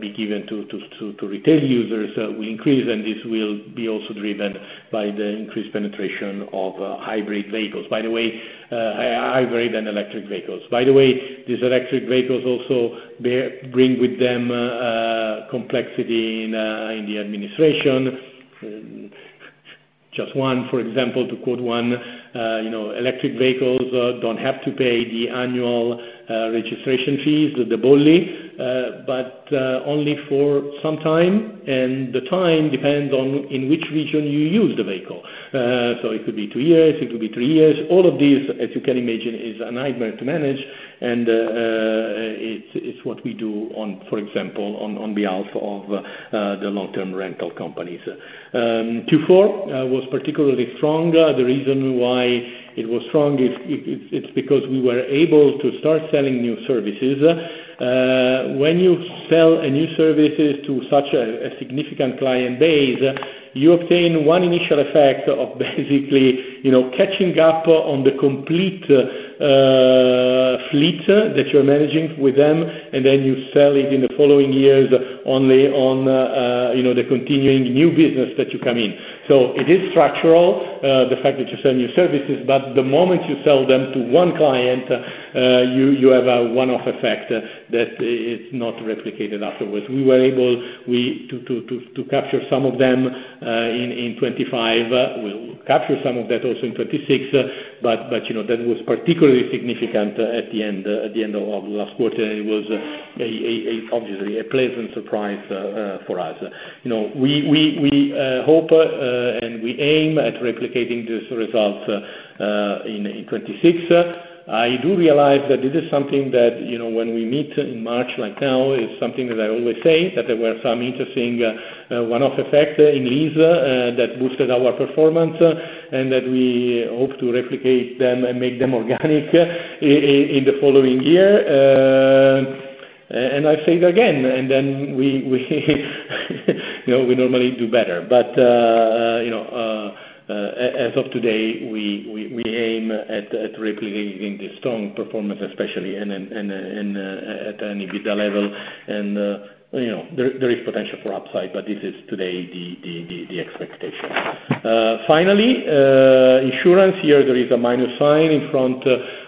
be given to retail users will increase. This will be also driven by the increased penetration of hybrid vehicles. By the way, hybrid and electric vehicles. By the way, these electric vehicles also bring with them complexity in the administration. Just one, for example, to quote one, you know, electric vehicles don't have to pay the annual registration fees, the bollo, but only for some time. The time depends on in which region you use the vehicle. It could be two years, it could be three years. All of these, as you can imagine, is a nightmare to manage. It's what we do, for example, on behalf of the long-term rental companies. Q4 was particularly strong. The reason why it was strong, it's because we were able to start selling new services. When you sell new services to such a significant client base, you obtain one initial effect of basically, you know, catching up on the complete fleet that you're managing with them, and then you sell it in the following years only on, you know, the continuing new business that you come in. It is structural, the fact that you sell new services, but the moment you sell them to one client, you have a one-off effect that is not replicated afterwards. We were able to capture some of them in 2025. We'll capture some of that also in 2026. You know, that was particularly significant at the end of last quarter. It was obviously a pleasant surprise for us. You know, we hope and we aim at replicating this result in 2026. I do realize that this is something that, you know, when we meet in March, like now, it's something that I always say, that there were some interesting one-off effect in lease that boosted our performance, and that we hope to replicate them and make them organic in the following year. I say it again, and then we, you know, we normally do better. You know, as of today, we aim at replicating the strong performance, especially at an EBITDA level. You know, there is potential for upside, but this is today the expectation. Finally, Insurance. Here there is a minus sign in front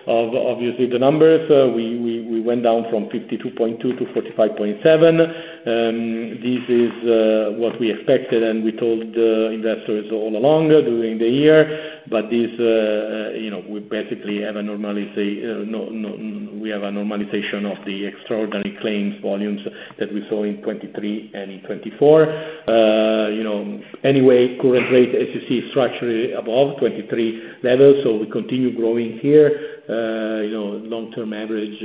of, obviously, the numbers. We went down from 52.2% to 45.7%. This is what we expected, and we told investors all along during the year. This, you know, we basically have a normalization of the extraordinary claims volumes that we saw in 2023 and in 2024. You know, anyway, current rate, as you see, structurally above 2023 levels, so we continue growing here. You know, long term average,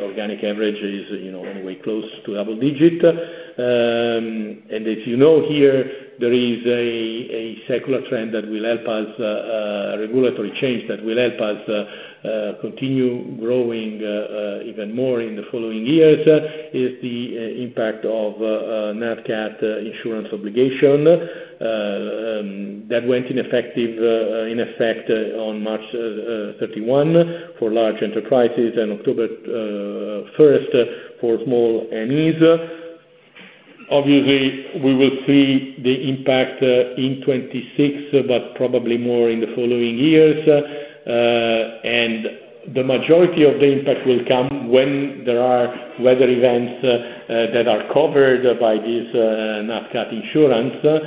organic average is, you know, anyway close to double digit. You know, here there is a secular trend that will help us, a regulatory change that will help us continue growing even more in the following years, is the impact of NatCat insurance obligation. That went into effect on March 31 for large enterprises and October 1 for small entities. Obviously, we will see the impact in 2026, but probably more in the following years. The majority of the impact will come when there are weather events that are covered by this NatCat insurance.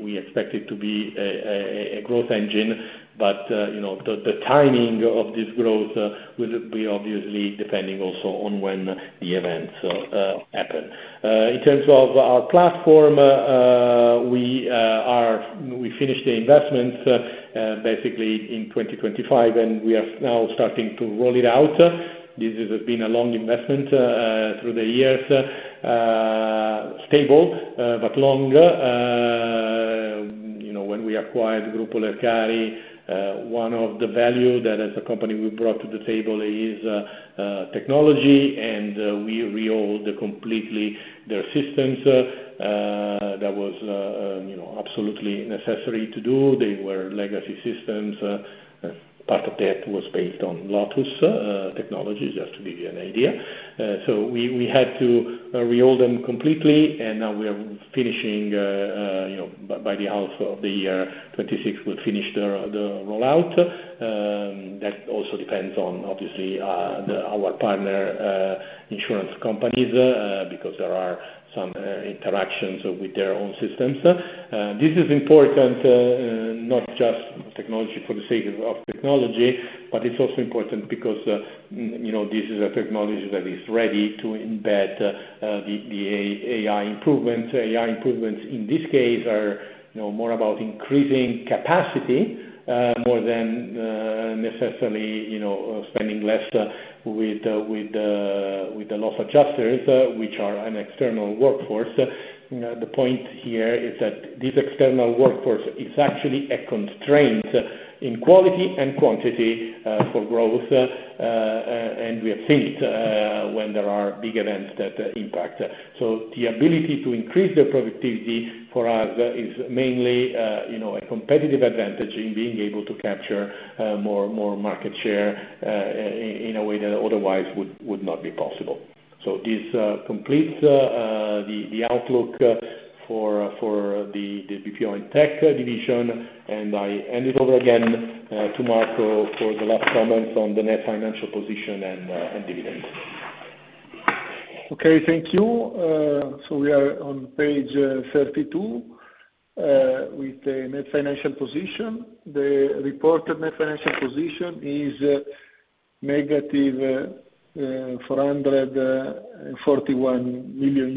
We expect it to be a growth engine. You know, the timing of this growth will be obviously depending also on when the events happen. In terms of our platform, we finished the investment basically in 2025, and we are now starting to roll it out. This has been a long investment through the years, stable, but long. You know, when we acquired Gruppo Lercari, one of the values that as a company we brought to the table is technology, and we reworked completely their systems. That was, you know, absolutely necessary to do. They were legacy systems. Part of that was based on Lotus Technology, just to give you an idea. So we had to rework them completely, and now we are finishing, you know, by the half of the year 2026, we'll finish the rollout. That also depends on, obviously, our partner insurance companies, because there are some interactions with their own systems. This is important, not just technology for the sake of technology, but it's also important because, you know, this is a technology that is ready to embed the AI improvements. AI improvements in this case are, you know, more about increasing capacity, more than necessarily, you know, spending less with the loss adjusters, which are an external workforce. You know, the point here is that this external workforce is actually a constraint in quality and quantity for growth. We have seen it when there are big events that impact. The ability to increase the productivity for us is mainly, you know, a competitive advantage in being able to capture more market share in a way that otherwise would not be possible. This completes the outlook for the BPO and Tech division. I hand it over again to Marco for the last comments on the net financial position and dividends. Okay. Thank you. We are on page 32 with the net financial position. The reported net financial position is negative EUR 441 million.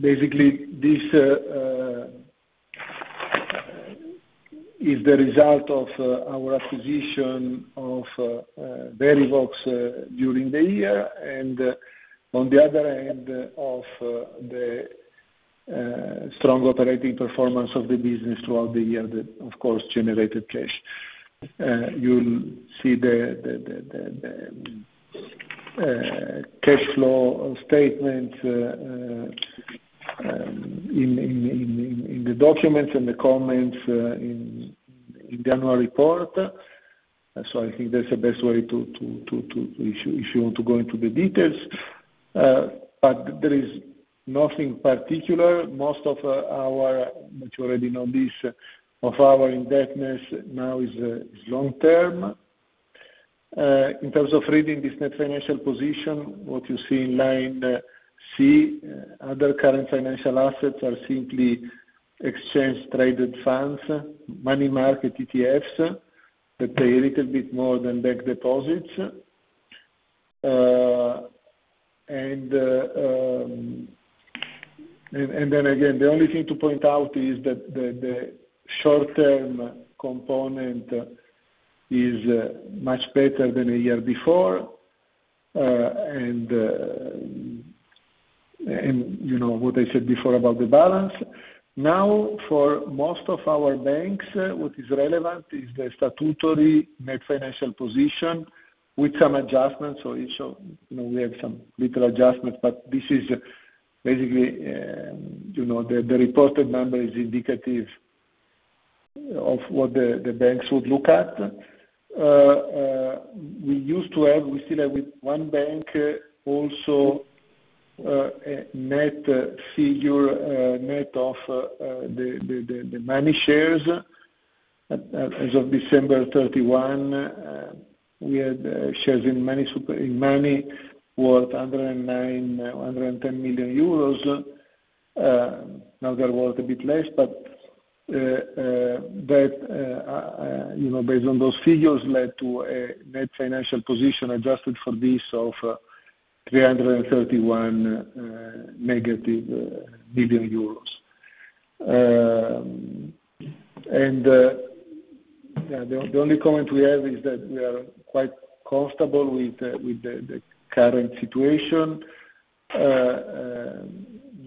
Basically this is the result of our acquisition of Verivox during the year, and on the other hand, of the strong operating performance of the business throughout the year that, of course, generated cash. You'll see the cash flow statement in the documents and the comments in the annual report. I think that's the best way, if you want to go into the details. But there is nothing particular. Most of our, which you already know this, of our indebtedness now is long term. In terms of reading this net financial position, what you see in line C, other current financial assets are simply exchange traded funds, money market ETFs that pay a little bit more than bank deposits. Then again, the only thing to point out is that the short term component is much better than a year before. You know what I said before about the balance. Now for most of our banks, what is relevant is the statutory net financial position with some adjustments. You know, we have some little adjustments, but this is basically, you know, the reported number is indicative of what the banks would look at. We still have with one bank also a net figure net of the M&A shares. As of December 31, we had shares in M&A worth 109-110 million euros. Now they're worth a bit less. That you know based on those figures led to a net financial position adjusted for this of negative 331 million euros. Yeah, the only comment we have is that we are quite comfortable with the current situation.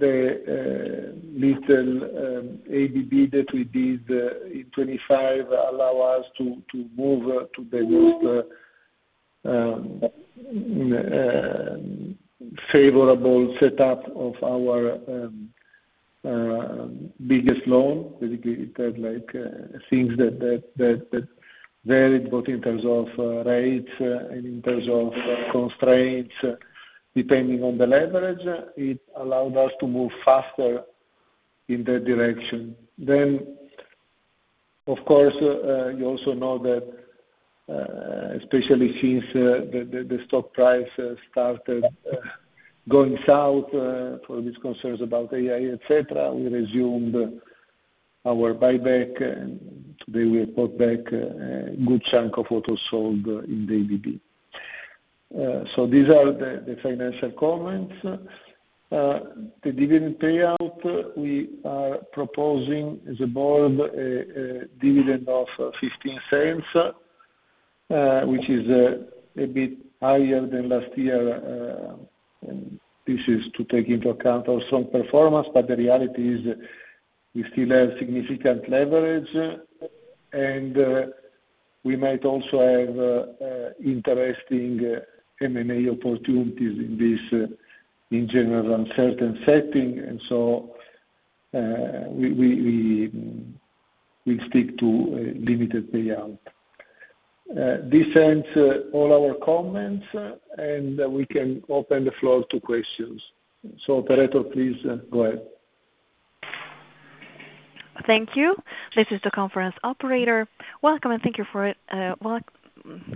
The little ABS that we did in 2025 allow us to move to the most favorable setup of our biggest loan. Basically, it had like things that varied both in terms of rates and in terms of constraints, depending on the leverage. It allowed us to move faster in that direction. Of course, you also know that, especially since the stock price has started going south for these concerns about AI, et cetera, we resumed our buyback, and today we bought back a good chunk of what was sold in ABB. These are the financial comments. The dividend payout, we are proposing as the board a dividend of 0.15, which is a bit higher than last year. This is to take into account our strong performance, but the reality is we still have significant leverage, and we might also have interesting M&A opportunities in this general uncertain setting. We stick to a limited payout. This ends all our comments, and we can open the floor to questions. Operator, please go ahead. Thank you. This is the conference operator. Welcome, and thank you for.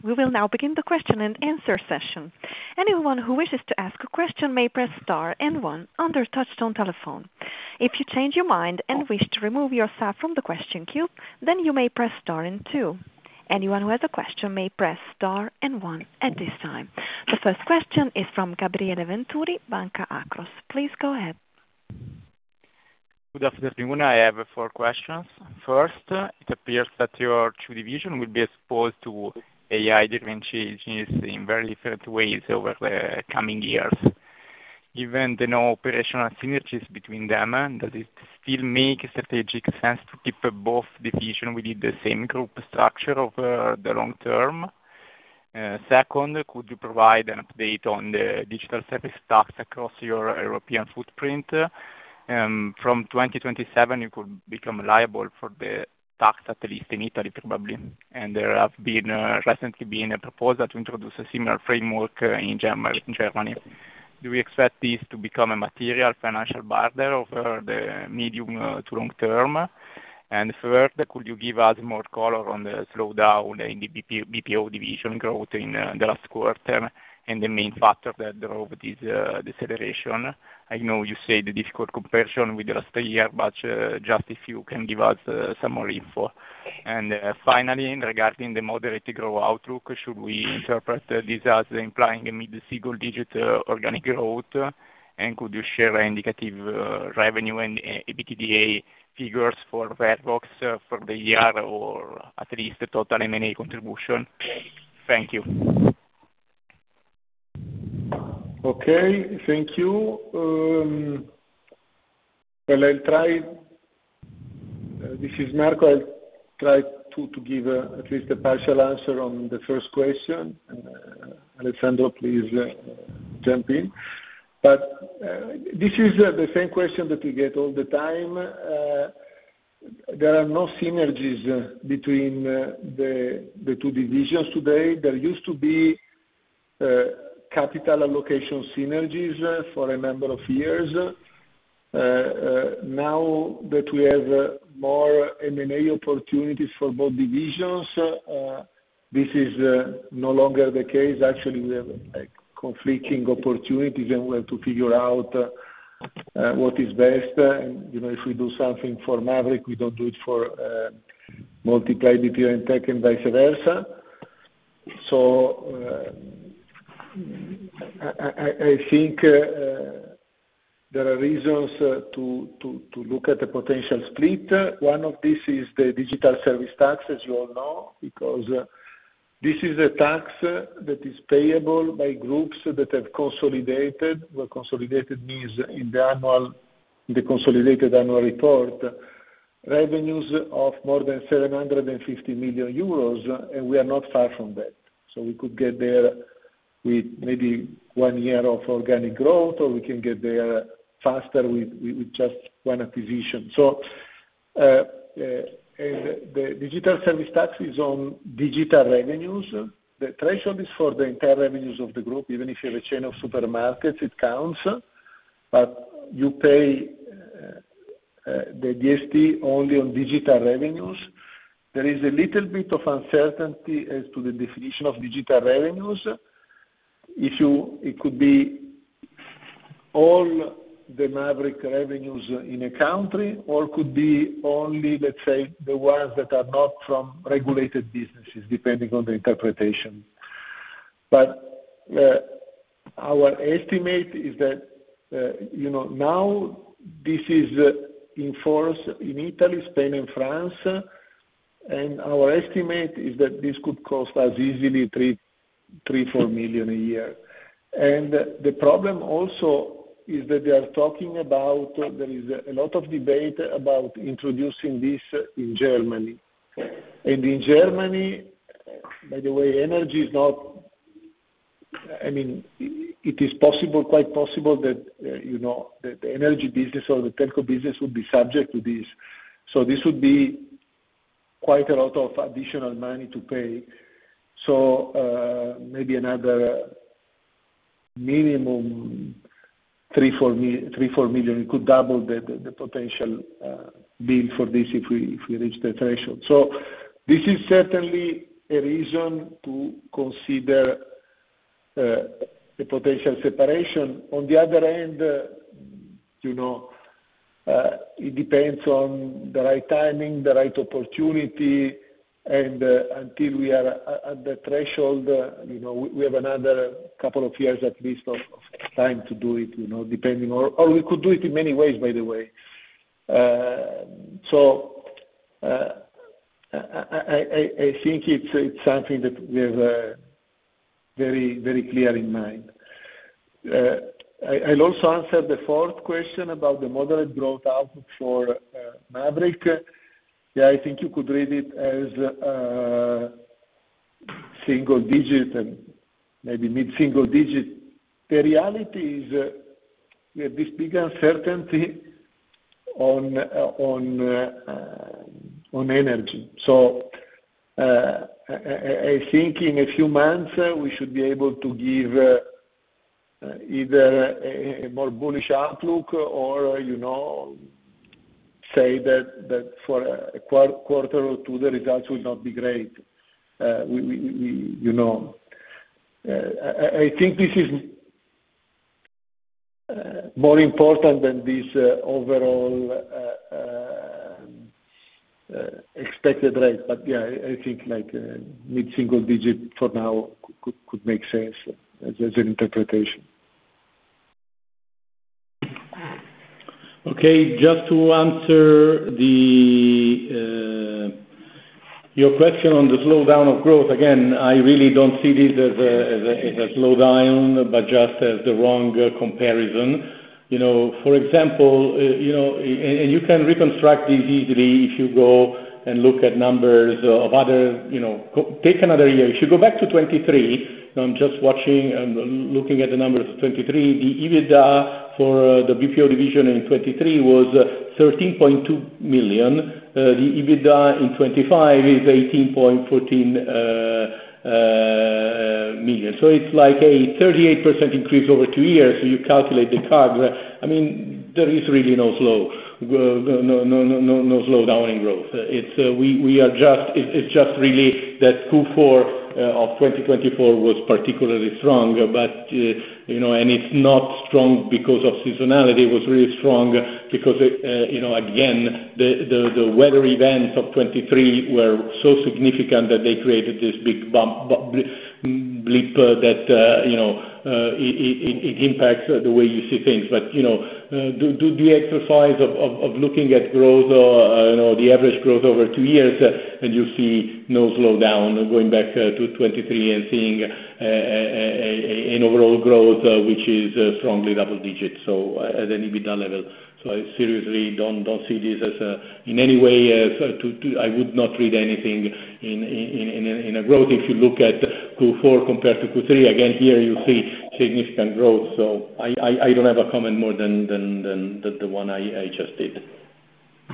We will now begin the question-and-answer session. Anyone who wishes to ask a question may press star and one on their touchtone telephone. If you change your mind and wish to remove yourself from the question queue, then you may press star and two. Anyone who has a question may press star and one at this time. The first question is from Gabriele Venturi, Banca Akros. Please go ahead. Good afternoon. I have four questions. First, it appears that your two divisions will be exposed to AI disruptions in very different ways over the coming years. Given there are no operational synergies between them, does it still make strategic sense to keep both divisions within the same group structure over the long term? Second, could you provide an update on the Digital Services Tax across your European footprint? From 2027, you could become liable for the tax, at least in Italy, probably. There have recently been a proposal to introduce a similar framework in Germany. Do we expect this to become a material financial burden over the medium to long term? Third, could you give us more color on the slowdown in the BPO division growth in the last quarter and the main factor that drove this deceleration? I know you say the difficult comparison with last year, but just if you can give us some more info. Finally, regarding the moderate growth outlook, should we interpret this as implying a mid-single digit organic growth? Could you share indicative revenue and EBITDA figures for Verivox for the year or at least the total M&A contribution? Thank you. Okay. Thank you. Well, I'll try. This is Marco. I'll try to give at least a partial answer on the first question. Alessandro, please, jump in. This is the same question that we get all the time. There are no synergies between the two divisions today. There used to be capital allocation synergies for a number of years. Now that we have more M&A opportunities for both divisions, this is no longer the case. Actually, we have, like, conflicting opportunities, and we have to figure out what is best. You know, if we do something for Mavriq, we don't do it for Moltiply BPO and Tech and vice versa. I think there are reasons to look at a potential split. One of this is the Digital Services Tax, as you all know, because this is a tax that is payable by groups that have consolidated. Consolidated means in the consolidated annual report, revenues of more than 750 million euros, and we are not far from that. We could get there with maybe one year of organic growth, or we can get there faster with just one acquisition. The Digital Services Tax is on digital revenues. The threshold is for the entire revenues of the group. Even if you have a chain of supermarkets, it counts, but you pay the DST only on digital revenues. There is a little bit of uncertainty as to the definition of digital revenues. It could be all the Mavriq revenues in a country, or it could be only, let's say, the ones that are not from regulated businesses, depending on the interpretation. Our estimate is that, you know, now this is in force in Italy, Spain and France. Our estimate is that this could cost us easily 3-4 million a year. The problem also is that they are talking about, there is a lot of debate about introducing this in Germany. In Germany, by the way, energy is not. I mean, it is possible, quite possible that, you know, that the energy business or the telco business would be subject to this. This would be quite a lot of additional money to pay. Maybe another minimum 3-4 million. We could double the potential bill for this if we reach that threshold. This is certainly a reason to consider a potential separation. On the other hand, you know, it depends on the right timing, the right opportunity. Until we are at the threshold, you know, we have another couple of years at least of time to do it, you know, depending or we could do it in many ways, by the way. I think it's something that we have very clear in mind. I'll also answer the fourth question about the moderate growth outlook for Mavriq. Yeah, I think you could read it as single-digit and maybe mid-single-digit. The reality is, we have this big uncertainty on energy. I think in a few months, we should be able to give either a more bullish outlook or, you know, say that for a quarter or two, the results will not be great. I think this is more important than this overall expected rate. Yeah, I think like mid-single digit for now could make sense as an interpretation. Okay. Just to answer your question on the slowdown of growth. Again, I really don't see this as a slowdown, but just as the wrong comparison. You know, for example, and you can reconstruct this easily if you go and look at numbers of other, you know. Take another year. If you go back to 2023, I'm just watching and looking at the numbers of 2023, the EBITDA for the BPO division in 2023 was 13.2 million. The EBITDA in 2025 is 18.14 million. So it's like a 38% increase over two years. So you calculate the CAGR. I mean, there is really no slowdown in growth. It's just really that Q4 of 2024 was particularly strong. You know, it's not strong because of seasonality. It was really strong because, you know, again, the weather events of 2023 were so significant that they created this big bump, blip that, you know, it impacts the way you see things. You know, do the exercise of looking at growth, you know, the average growth over two years, and you see no slowdown going back to 2023 and seeing an overall growth, which is strongly double digits, so at an EBITDA level. I seriously don't see this as a in any way as to. I would not read anything in a growth. If you look at Q4 compared to Q3, again, here you see significant growth. I don't have a comment more than the one I just did.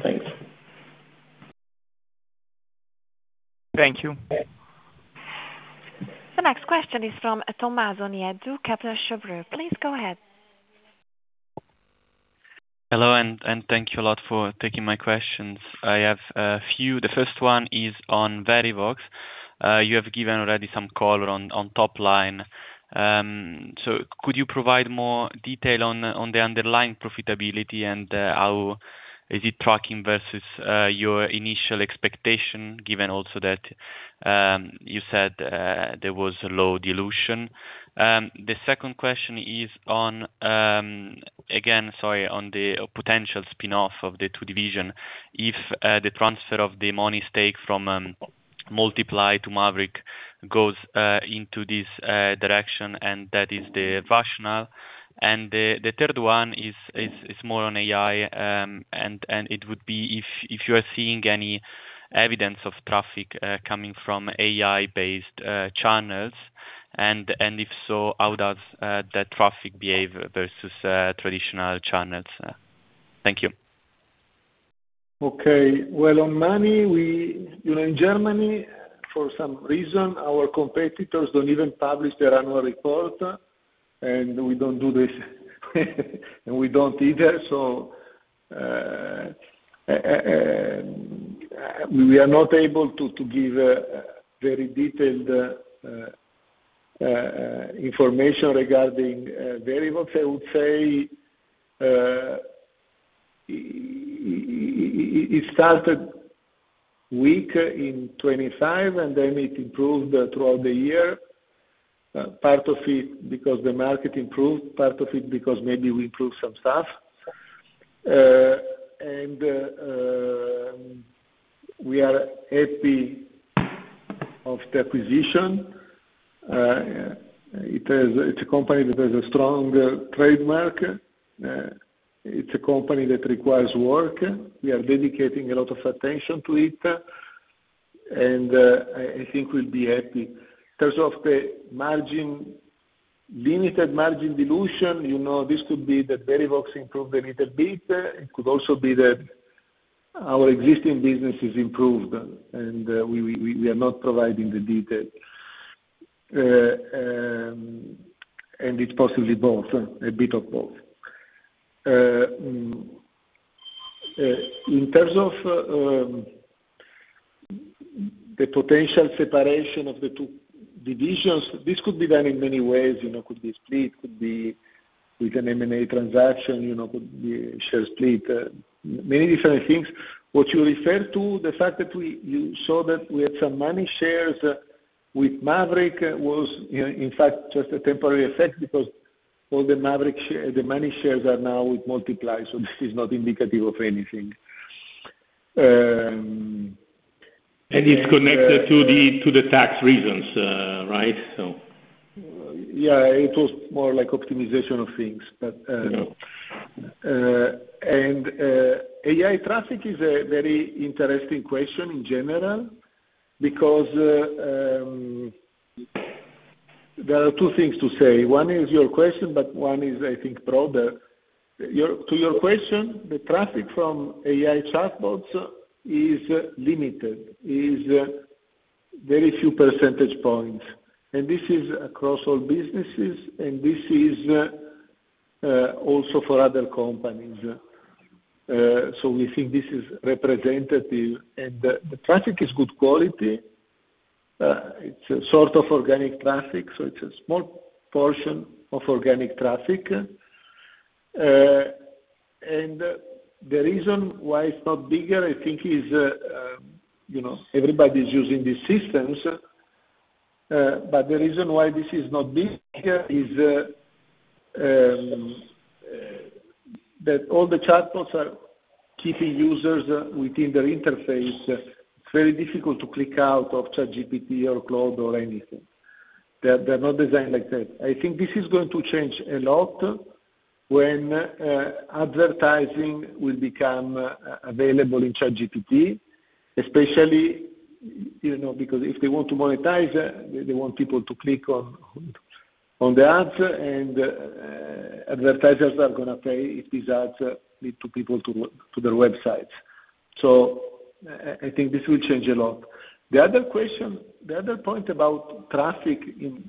Thanks. Thank you. The next question is from Tommaso Bonanomi, CheBanca!. Please go ahead. Hello, thank you a lot for taking my questions. I have a few. The first one is on Verivox. You have given already some color on top line. So could you provide more detail on the underlying profitability and how is it tracking versus your initial expectation, given also that you said there was low dilution? The second question is on, again, sorry, on the potential spin-off of the two division, if the transfer of the Moneyfarm stake from Moltiply to Mavriq goes into this direction, and that is the rationale. The third one is more on AI, and it would be if you are seeing any evidence of traffic coming from AI-based channels. If so, how does that traffic behave versus traditional channels? Thank you. Okay. Well, on Verivox, we. You know, in Germany, for some reason, our competitors don't even publish their annual report, and we don't do this. We don't either. We are not able to give a very detailed information regarding very much. I would say, it started weak in 2025, and then it improved throughout the year. Part of it because the market improved, part of it because maybe we improved some stuff. We are happy of the acquisition. It's a company that has a strong trademark. It's a company that requires work. We are dedicating a lot of attention to it, and I think we'll be happy. In terms of the margin, limited margin dilution, you know, this could be that Verivox improved a little bit. It could also be that our existing business is improved, and we are not providing the detail. It's possibly both, a bit of both. In terms of the potential separation of the two divisions, this could be done in many ways. You know, it could be split, it could be with an M&A transaction, you know, it could be a share split, many different things. What you refer to, the fact that you saw that we had some Mani shares with Mavriq was in fact just a temporary effect because all the Mani shares are now with Moltiply, so this is not indicative of anything. It's connected to the tax reasons, right? Yeah, it was more like optimization of things. Yeah. AI traffic is a very interesting question in general because there are two things to say. One is your question, but one is, I think, broader. To your question, the traffic from AI chatbots is limited, very few percentage points, and this is across all businesses, and this is also for other companies. We think this is representative. The traffic is good quality. It's a sort of organic traffic, so it's a small portion of organic traffic. The reason why it's not bigger, I think, is, you know, everybody's using these systems, but the reason why this is not bigger is that all the chatbots are keeping users within their interface. It's very difficult to click out of ChatGPT or Claude or anything. They're not designed like that. I think this is going to change a lot when advertising will become available in ChatGPT, especially, you know, because if they want to monetize, they want people to click on the ads, and advertisers are gonna pay if these ads lead to people to their websites. I think this will change a lot. The other question, the other point about traffic, you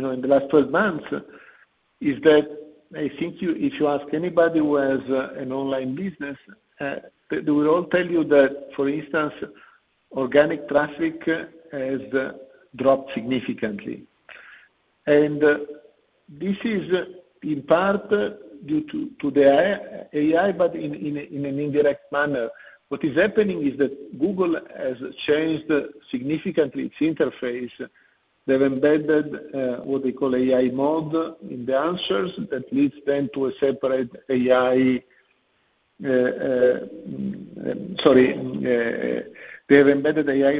know, in the last 12 months is that I think you, if you ask anybody who has an online business, they will all tell you that, for instance, organic traffic has dropped significantly. This is in part due to the AI, but in an indirect manner. What is happening is that Google has changed significantly its interface. They've embedded what they call AI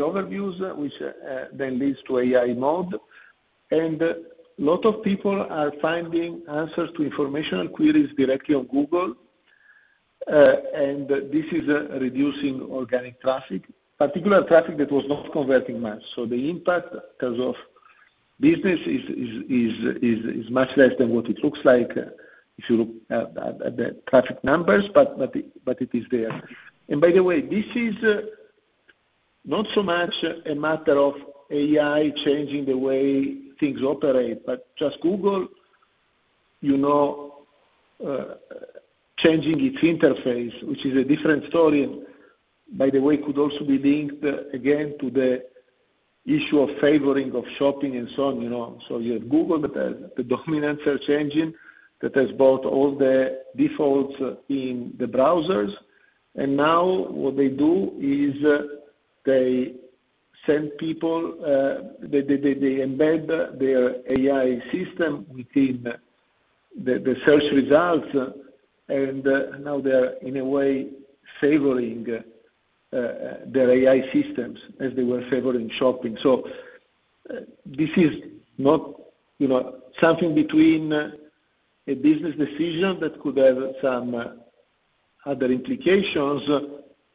overviews, which then leads to AI mode. A lot of people are finding answers to informational queries directly on Google, and this is reducing organic traffic, particularly traffic that was not converting much. The impact in terms of business is much less than what it looks like if you look at the traffic numbers, but it is there. By the way, this is not so much a matter of AI changing the way things operate, but just Google, you know, changing its interface, which is a different story, and by the way, could also be linked again to the issue of favoring of shopping and so on, you know. You have Google, the dominant search engine that has bought all the defaults in the browsers, and now what they do is they send people, they embed their AI system within the search results, and now they're in a way favoring their AI systems as they were favoring shopping. This is not, you know, something other than a business decision that could have some other implications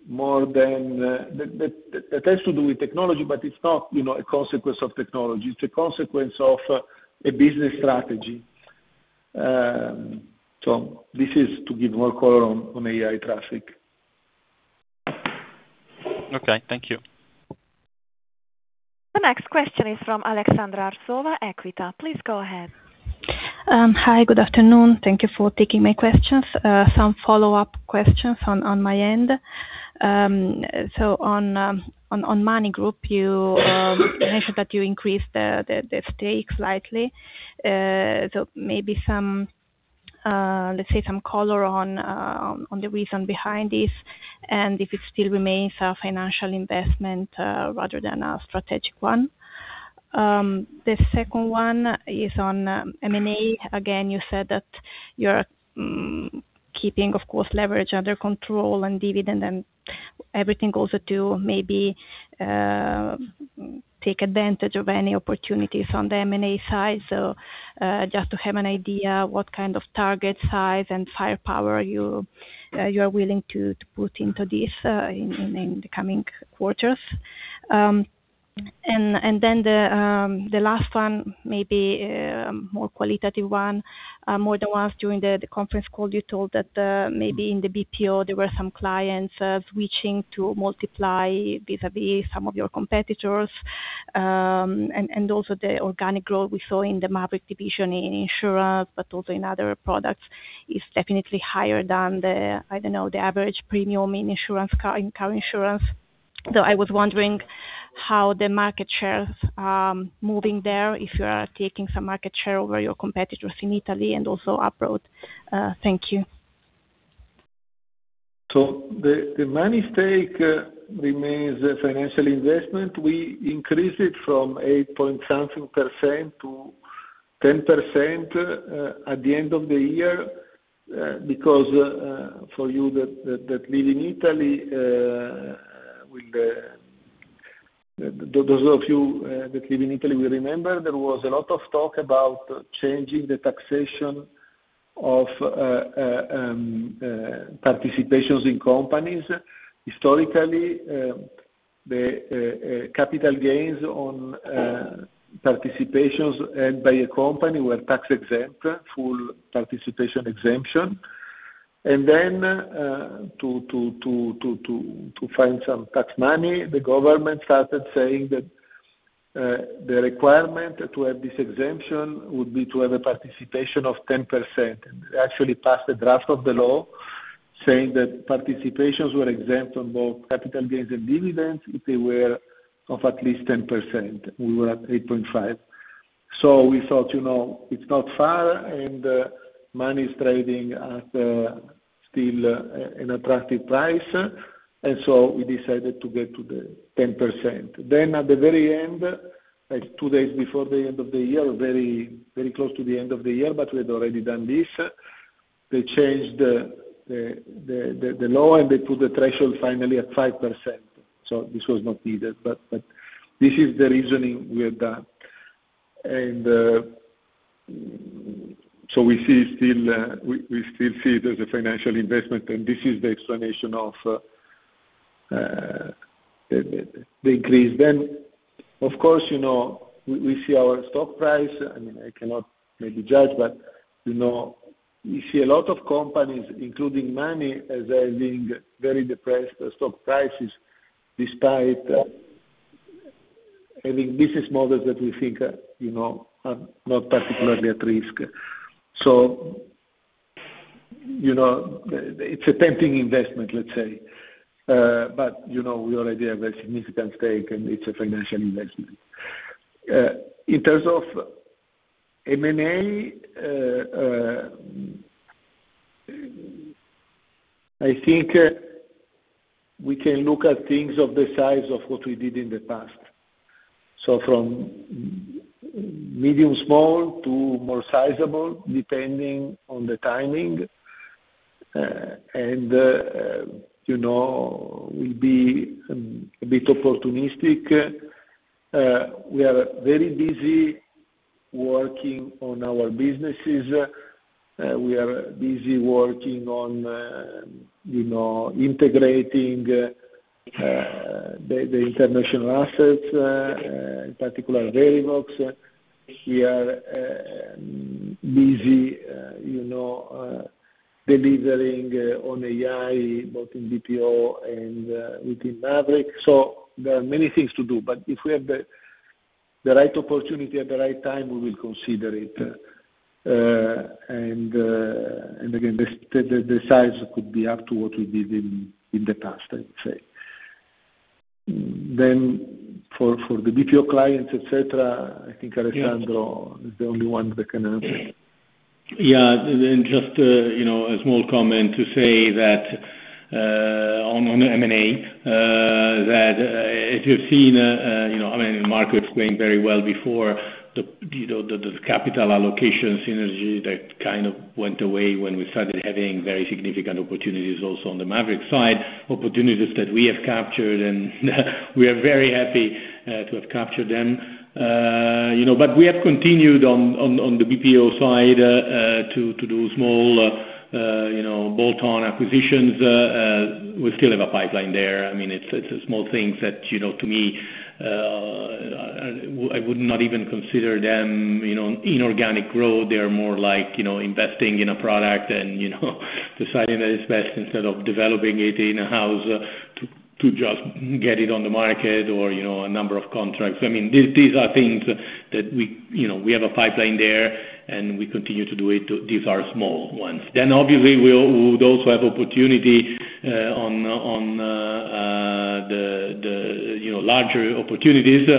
more than that has to do with technology, but it's not, you know, a consequence of technology. It's a consequence of a business strategy. This is to give more color on AI traffic. Okay, thank you. The next question is from Alexandra Airoldi, Equita. Please go ahead. Hi, good afternoon. Thank you for taking my questions. Some follow-up questions on my end. On Moltiply Group, you mentioned that you increased the stake slightly. Maybe some, let's say some color on the reason behind this, and if it still remains a financial investment rather than a strategic one. The second one is on M&A. Again, you said that you're keeping, of course, leverage under control and dividend and everything also to maybe take advantage of any opportunities on the M&A side. Just to have an idea what kind of target size and firepower you are willing to put into this in the coming quarters. The last one, maybe more qualitative one, more than once during the conference call, you told that maybe in the BPO, there were some clients switching to Moltiply vis-à-vis some of your competitors. Also the organic growth we saw in the Mavriq division in insurance, but also in other products, is definitely higher than the, I don't know, the average premium in insurance, car insurance. I was wondering how the market shares are moving there, if you are taking some market share over your competitors in Italy and also abroad. Thank you. The Moneyfarm stake remains a financial investment. We increased it from 8.something% to 10% at the end of the year. Because for those of you that live in Italy will remember, there was a lot of talk about changing the taxation of participations in companies. Historically, the capital gains on participations by a company were tax-exempt, full participation exemption. To find some tax money, the government started saying that the requirement to have this exemption would be to have a participation of 10%. They actually passed the draft of the law saying that participations were exempt on both capital gains and dividends if they were of at least 10%. We were at 8.5%. We thought, you know, it's not far, and Moneyfarm's trading at still an attractive price. We decided to get to the 10%. At the very end, like two days before the end of the year, very, very close to the end of the year, but we had already done this, they changed the law, and they put the threshold finally at 5%. This was not needed, but this is the reasoning we have done. We still see it as a financial investment, and this is the explanation of the increase. Of course, you know, we see our stock price. I mean, I cannot maybe judge, but you know, we see a lot of companies, including Moneyfarm, as having very depressed stock prices despite having business models that we think are, you know, are not particularly at risk. You know, it's a tempting investment, let's say. You know, we already have a significant stake, and it's a financial investment. In terms of M&A, I think we can look at things of the size of what we did in the past. From medium-small to more sizable, depending on the timing, and you know, we'll be a bit opportunistic. We are very busy working on our businesses. We are busy working on, you know, integrating the international assets, in particular Verivox. We are busy, you know, delivering on AI, both in BPO and within Mavriq. There are many things to do. If we have the right opportunity at the right time, we will consider it. Again, the size could be up to what we did in the past, I'd say. For the BPO clients, et cetera, I think Alessandro is the only one that can answer. Yeah. Just, you know, a small comment to say that, on M&A, that, as you've seen, you know, I mean, the market was going very well before the capital allocation synergy that kind of went away when we started having very significant opportunities also on the Mavriq side, opportunities that we have captured, and we are very happy to have captured them. You know, but we have continued on the BPO side to do small bolt-on acquisitions, we still have a pipeline there. I mean, it's small things that, you know, to me, I would not even consider them, you know, inorganic growth. They are more like, you know, investing in a product and, you know, deciding that it's best instead of developing it in-house to just get it on the market or, you know, a number of contracts. I mean, these are things that we, you know, have a pipeline there, and we continue to do it. These are small ones. Obviously, those who have opportunity on the larger opportunities.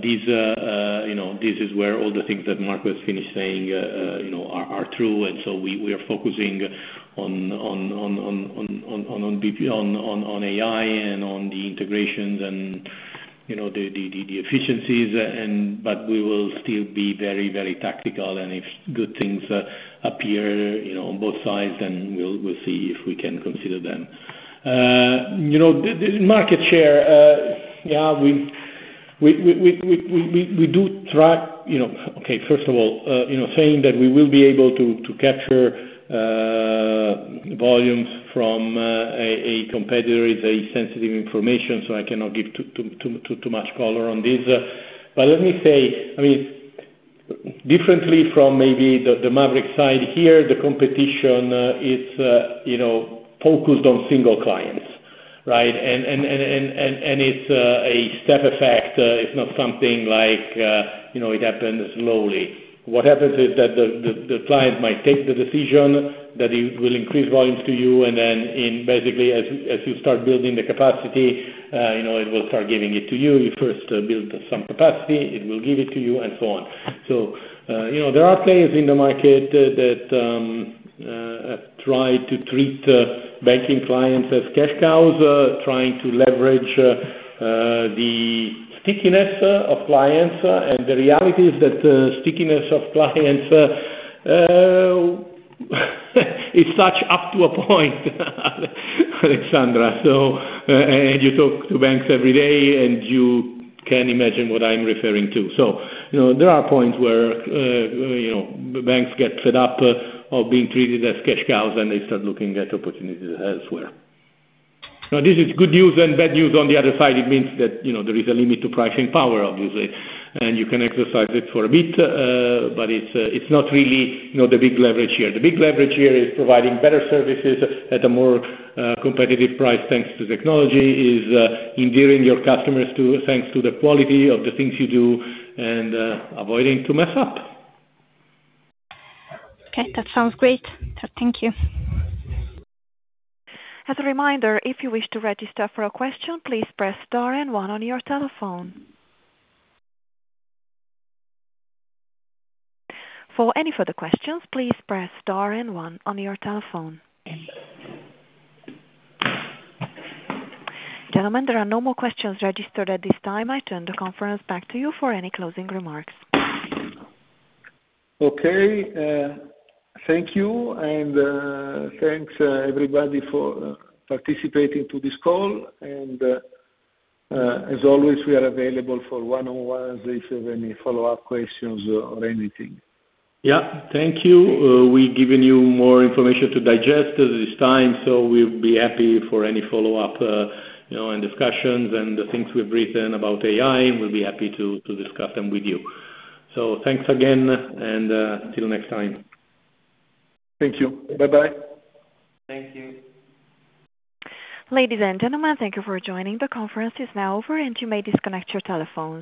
These, you know, this is where all the things that Marco has finished saying, you know, are true. We are focusing on VP, on AI and on the integrations and, you know, the efficiencies. We will still be very, very tactical. If good things appear, you know, on both sides, then we'll see if we can consider them. You know, the market share, yeah, we do track, you know. Okay, first of all, you know, saying that we will be able to capture volumes from a competitor is sensitive information, so I cannot give too much color on this. But let me say, I mean, differently from maybe the Mavriq side here, the competition is, you know, focused on single clients, right? It's a step effect. It's not something like, you know, it happens slowly. What happens is that the client might take the decision that he will increase volumes to you, and then basically as you start building the capacity, you know, it will start giving it to you. You first build some capacity, it will give it to you and so on. You know, there are players in the market that try to treat banking clients as cash cows, trying to leverage the stickiness of clients. The reality is that stickiness of clients is such up to a point, Alexandra. You talk to banks every day and you can imagine what I'm referring to. You know, there are points where, you know, banks get fed up of being treated as cash cows and they start looking at opportunities elsewhere. Now, this is good news and bad news on the other side. It means that, you know, there is a limit to pricing power, obviously, and you can exercise it for a bit, but it's not really, you know, the big leverage here. The big leverage here is providing better services at a more competitive price, thanks to technology, thanks to the quality of the things you do and avoiding to mess up. Okay, that sounds great. Thank you. As a reminder, if you wish to register for a question, please press star and one on your telephone. For any further questions, please press star and one on your telephone. Gentlemen, there are no more questions registered at this time. I turn the conference back to you for any closing remarks. Okay. Thank you. Thanks, everybody for participating to this call. As always, we are available for one-on-one if you have any follow-up questions or anything. Yeah, thank you. We've given you more information to digest this time, so we'll be happy for any follow-up, you know, and discussions and the things we've written about AI. We'll be happy to discuss them with you. Thanks again, and till next time. Thank you. Bye. Bye Thank you. Ladies and gentlemen, thank you for joining. The conference is now over, and you may disconnect your telephones.